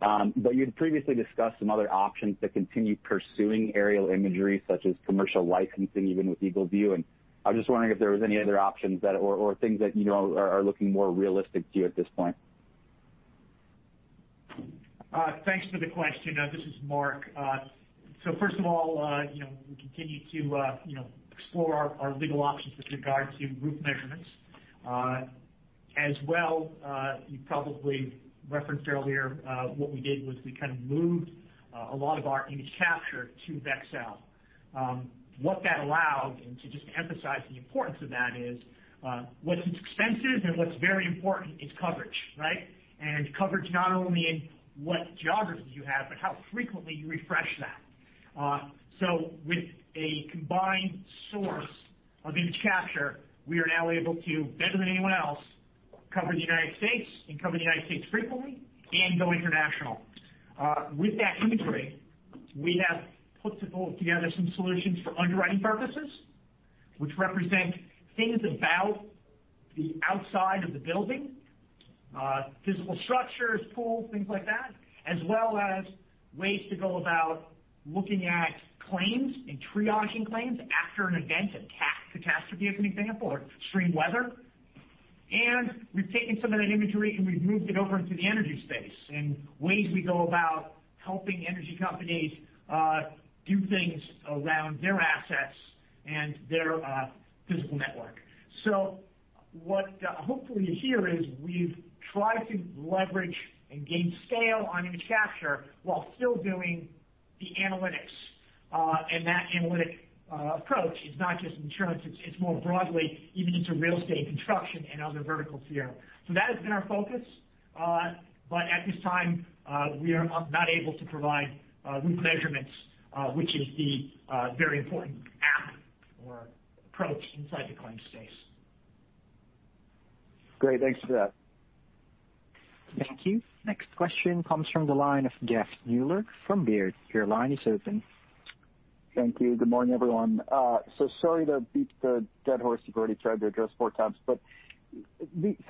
But you'd previously discussed some other options to continue pursuing aerial imagery, such as commercial licensing, even with EagleView. And I was just wondering if there were any other options or things that are looking more realistic to you at this point. Thanks for the question. This is Mark. So first of all, we continue to explore our legal options with regard to roof measurements. As well, you probably referenced earlier what we did was we kind of moved a lot of our image capture to Vexcel. What that allowed, and to just emphasize the importance of that, is what's expensive and what's very important is coverage, right? And coverage not only in what geography you have, but how frequently you refresh that. So with a combined source of image capture, we are now able to, better than anyone else, cover the United States and cover the United States frequently and go international. With that imagery, we have put together some solutions for underwriting purposes, which represent things about the outside of the building, physical structures, pools, things like that, as well as ways to go about looking at claims and triaging claims after an event, a catastrophe, as an example, or extreme weather. And we've taken some of that imagery and we've moved it over into the energy space and ways we go about helping energy companies do things around their assets and their physical network. So what hopefully you hear is we've tried to leverage and gain scale on image capture while still doing the analytics. And that analytic approach is not just insurance. It's more broadly, even into real estate, construction, and other verticals here. So that has been our focus. But at this time, we are not able to provide roof measurements, which is the very important app or approach inside the claim space. Great. Thanks for that. Thank you. Next question comes from the line of Jeffrey Meuler from Baird. Your line is open. Thank you. Good morning, everyone. So sorry to beat the dead horse you've already tried to address four times. So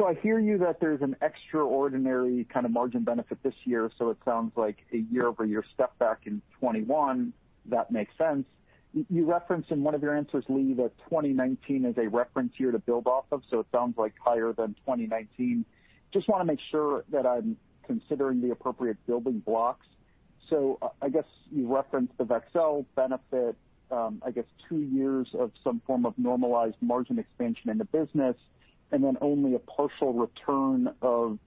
I hear you that there's an extraordinary kind of margin benefit this year. So it sounds like a year-over-year step back in 2021. That makes sense. You referenced in one of your answers, Lee, that 2019 is a reference year to build off of. So it sounds like higher than 2019. Just want to make sure that I'm considering the appropriate building blocks. So I guess you referenced the Vexcel benefit, I guess, two years of some form of normalized margin expansion in the business, and then only a partial return of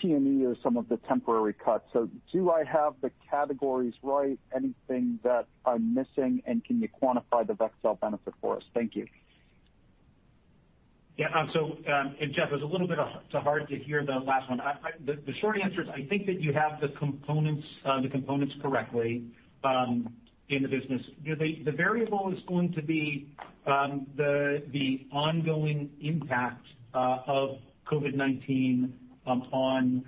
T&E or some of the temporary cuts. So do I have the categories right? Anything that I'm missing? And can you quantify the Vexcel benefit for us? Thank you. Yeah. So Jeff, it was a little bit hard to hear the last one. The short answer is I think that you have the components correctly in the business. The variable is going to be the ongoing impact of COVID-19 on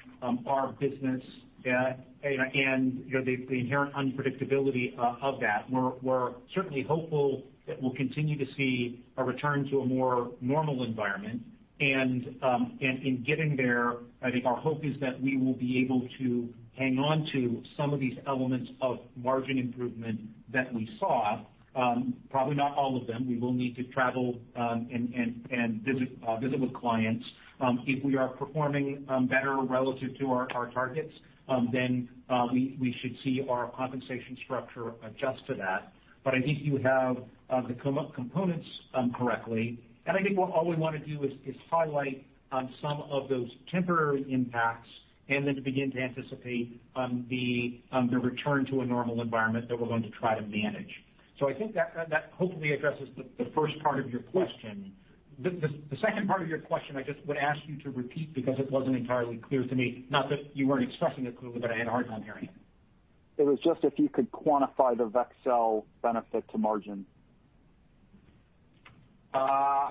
our business and the inherent unpredictability of that. We're certainly hopeful that we'll continue to see a return to a more normal environment. And in getting there, I think our hope is that we will be able to hang on to some of these elements of margin improvement that we saw. Probably not all of them. We will need to travel and visit with clients. If we are performing better relative to our targets, then we should see our compensation structure adjust to that, but I think you have the components correctly, and I think what all we want to do is highlight some of those temporary impacts and then to begin to anticipate the return to a normal environment that we're going to try to manage, so I think that hopefully addresses the first part of your question. The second part of your question, I just would ask you to repeat because it wasn't entirely clear to me. Not that you weren't expressing it clearly, but I had a hard time hearing it. It was just if you could quantify the Vexcel benefit to margin. I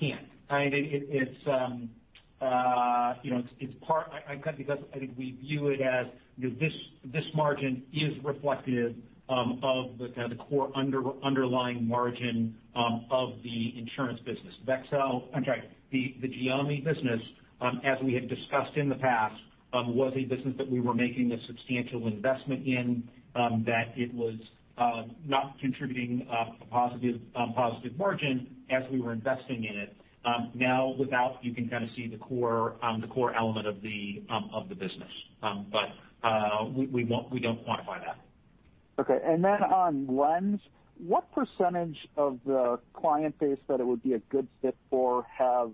can't. It's part because I think we view it as this margin is reflective of the kind of core underlying margin of the insurance business. I'm sorry, the Geomni business, as we had discussed in the past, was a business that we were making a substantial investment in, that it was not contributing a positive margin as we were investing in it. Now, without, you can kind of see the core element of the business. But we don't quantify that. Okay. And then on Lens, what percentage of the client base that it would be a good fit for have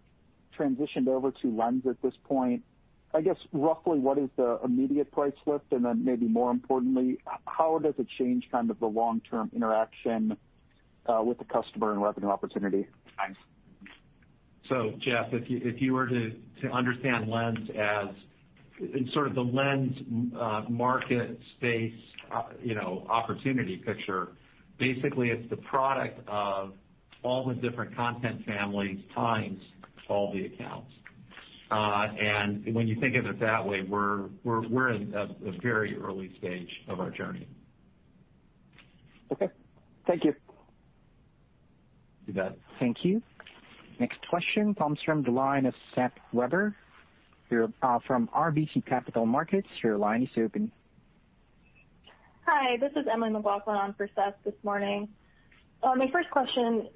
transitioned over to Lens at this point? I guess roughly what is the immediate price lift? And then maybe more importantly, how does it change kind of the long-term interaction with the customer and revenue opportunity? So Jeff, if you were to understand Lens as sort of the Lens market space opportunity picture, basically, it's the product of all the different content families, times, all the accounts. And when you think of it that way, we're in a very early stage of our journey. Okay. Thank you. You bet. Thank you. Next question comes from Seth Weber from RBC Capital Markets. Your line is open. Hi. This is Emily McLaughlin on for Seth this morning. My first question,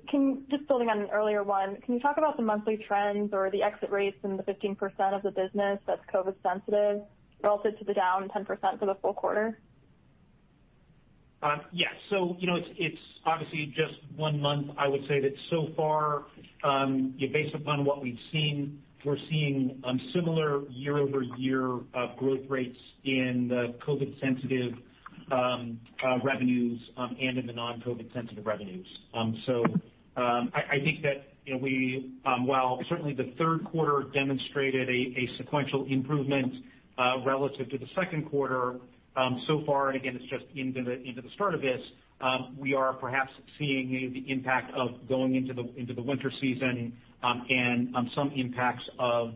just building on an earlier one, can you talk about the monthly trends or the exit rates in the 15% of the business that's COVID-sensitive relative to the down 10% for the full quarter? Yes. So it's obviously just one month. I would say that so far, based upon what we've seen, we're seeing similar year over year growth rates in the COVID-sensitive revenues and in the non-COVID-sensitive revenues. So I think that while certainly the third quarter demonstrated a sequential improvement relative to the second quarter, so far, and again, it's just into the start of this, we are perhaps seeing the impact of going into the winter season and some impacts of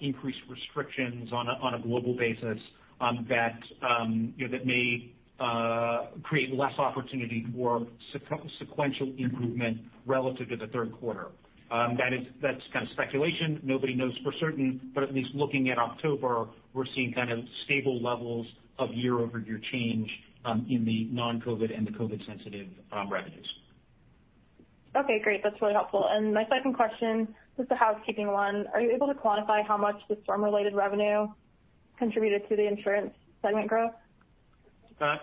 increased restrictions on a global basis that may create less opportunity for sequential improvement relative to the third quarter. That's kind of speculation. Nobody knows for certain. But at least looking at October, we're seeing kind of stable levels of year over year change in the non-COVID and the COVID-sensitive revenues. Okay. Great. That's really helpful. And my second question is the housekeeping one. Are you able to quantify how much the storm-related revenue contributed to the insurance segment growth?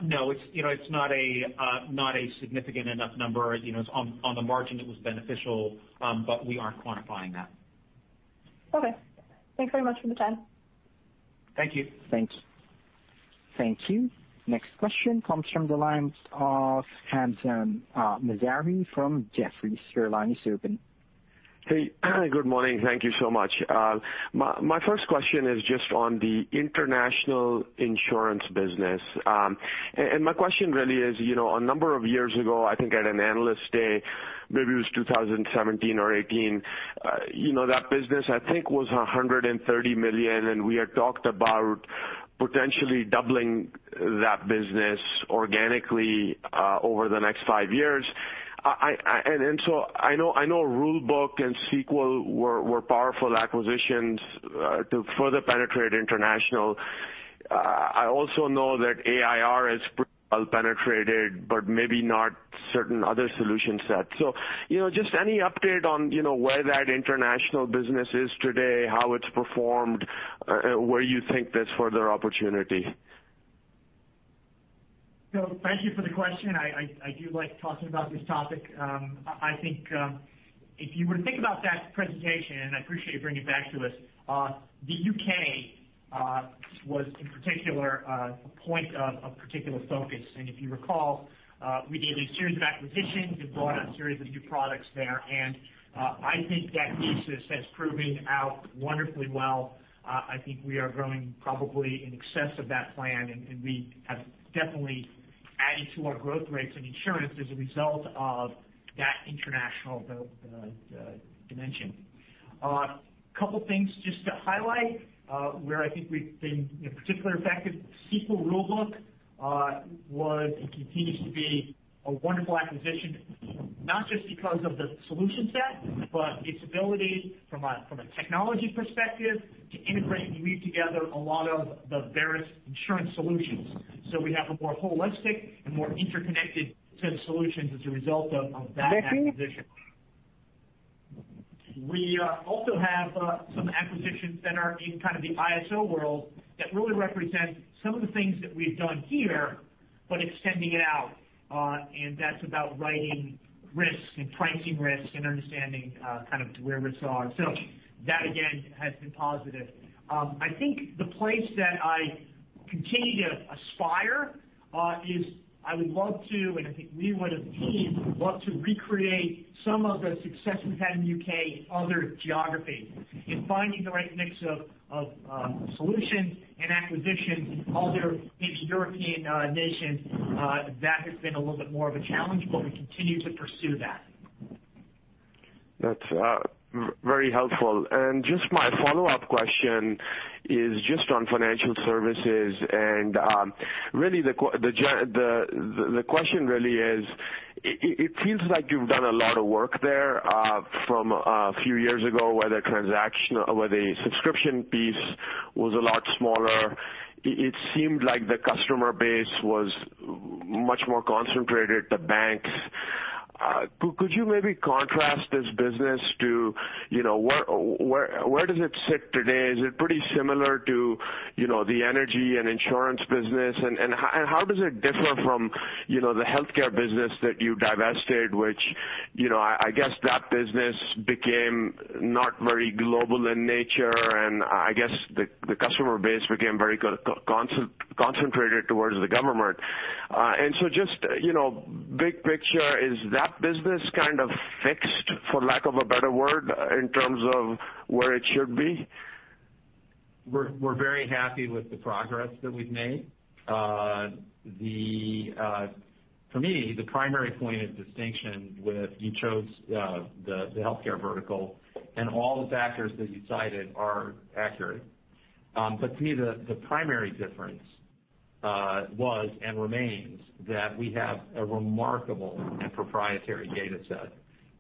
No. It's not a significant enough number. It's on the margin. It was beneficial, but we aren't quantifying that. Okay. Thanks very much for the time. Thank you. Thanks. Thank you. Next question comes from Hamzah Mazari from Jefferies. Your line is open. Hey. Good morning. Thank you so much. My first question is just on the international insurance business. And my question really is, a number of years ago, I think at an analyst day, maybe it was 2017 or 2018, that business, I think, was $130 million. And we had talked about potentially doubling that business organically over the next five years. And so I know Rulebook and Sequel were powerful acquisitions to further penetrate international. I also know that AIR is pretty well penetrated, but maybe not certain other solution sets. Just any update on where that international business is today, how it's performed, where you think there's further opportunity? Thank you for the question. I do like talking about this topic. I think if you were to think about that presentation, and I appreciate you bringing it back to us, the U.K. was, in particular, a point of particular focus. If you recall, we did a series of acquisitions and brought a series of new products there. I think that thesis has proven out wonderfully well. I think we are growing probably in excess of that plan. We have definitely added to our growth rates in insurance as a result of that international dimension. A couple of things just to highlight where I think we've been particularly effective. Sequel Rulebook was and continues to be a wonderful acquisition, not just because of the solution set, but its ability from a technology perspective to integrate and weave together a lot of the various insurance solutions. We have a more holistic and more interconnected set of solutions as a result of that acquisition. We also have some acquisitions that are in kind of the ISO world that really represent some of the things that we've done here, but extending it out. That is about writing risks and pricing risks and understanding kind of where risks are. That, again, has been positive. I think the place that I continue to aspire is I would love to, and I think we would, as a team, love to recreate some of the success we've had in the U.K. in other geographies and finding the right mix of solutions and acquisitions in other European nations. That has been a little bit more of a challenge, but we continue to pursue that. That's very helpful. Just my follow-up question is just on financial services. Really, the question really is, it feels like you've done a lot of work there from a few years ago, where the subscription piece was a lot smaller. It seemed like the customer base was much more concentrated, the banks. Could you maybe contrast this business to where does it sit today? Is it pretty similar to the energy and insurance business? How does it differ from the healthcare business that you divested, which I guess that business became not very global in nature. I guess the customer base became very concentrated towards the government. Just big picture, is that business kind of fixed, for lack of a better word, in terms of where it should be? We're very happy with the progress that we've made. For me, the primary point of distinction with you chose the healthcare vertical, and all the factors that you cited are accurate. To me, the primary difference was and remains that we have a remarkable and proprietary data set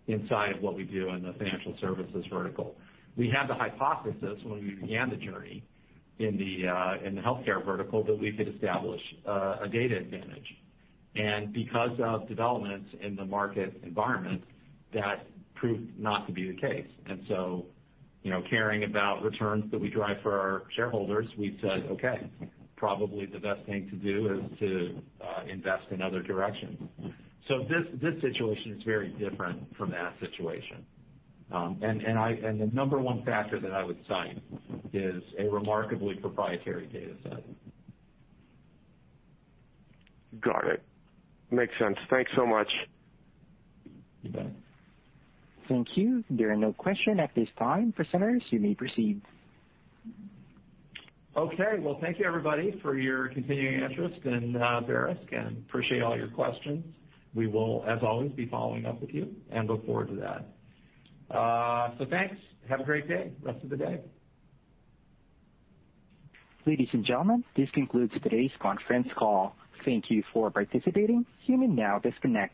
inside of what we do in the financial services vertical. We had the hypothesis when we began the journey in the healthcare vertical that we could establish a data advantage. Because of developments in the market environment, that proved not to be the case. Caring about returns that we drive for our shareholders, we said, "Okay. Probably the best thing to do is to invest in other directions." This situation is very different from that situation. The number one factor that I would cite is a remarkably proprietary data set. Got it. Makes sense. Thanks so much. You bet. Thank you. There are no questions at this time for centers. You may proceed. Thank you, everybody, for your continuing interest in Verisk and appreciate all your questions. We will, as always, be following up with you and look forward to that. Thanks. Have a great rest of the day. Ladies and gentlemen, this concludes today's conference call. Thank you for participating. You may now disconnect.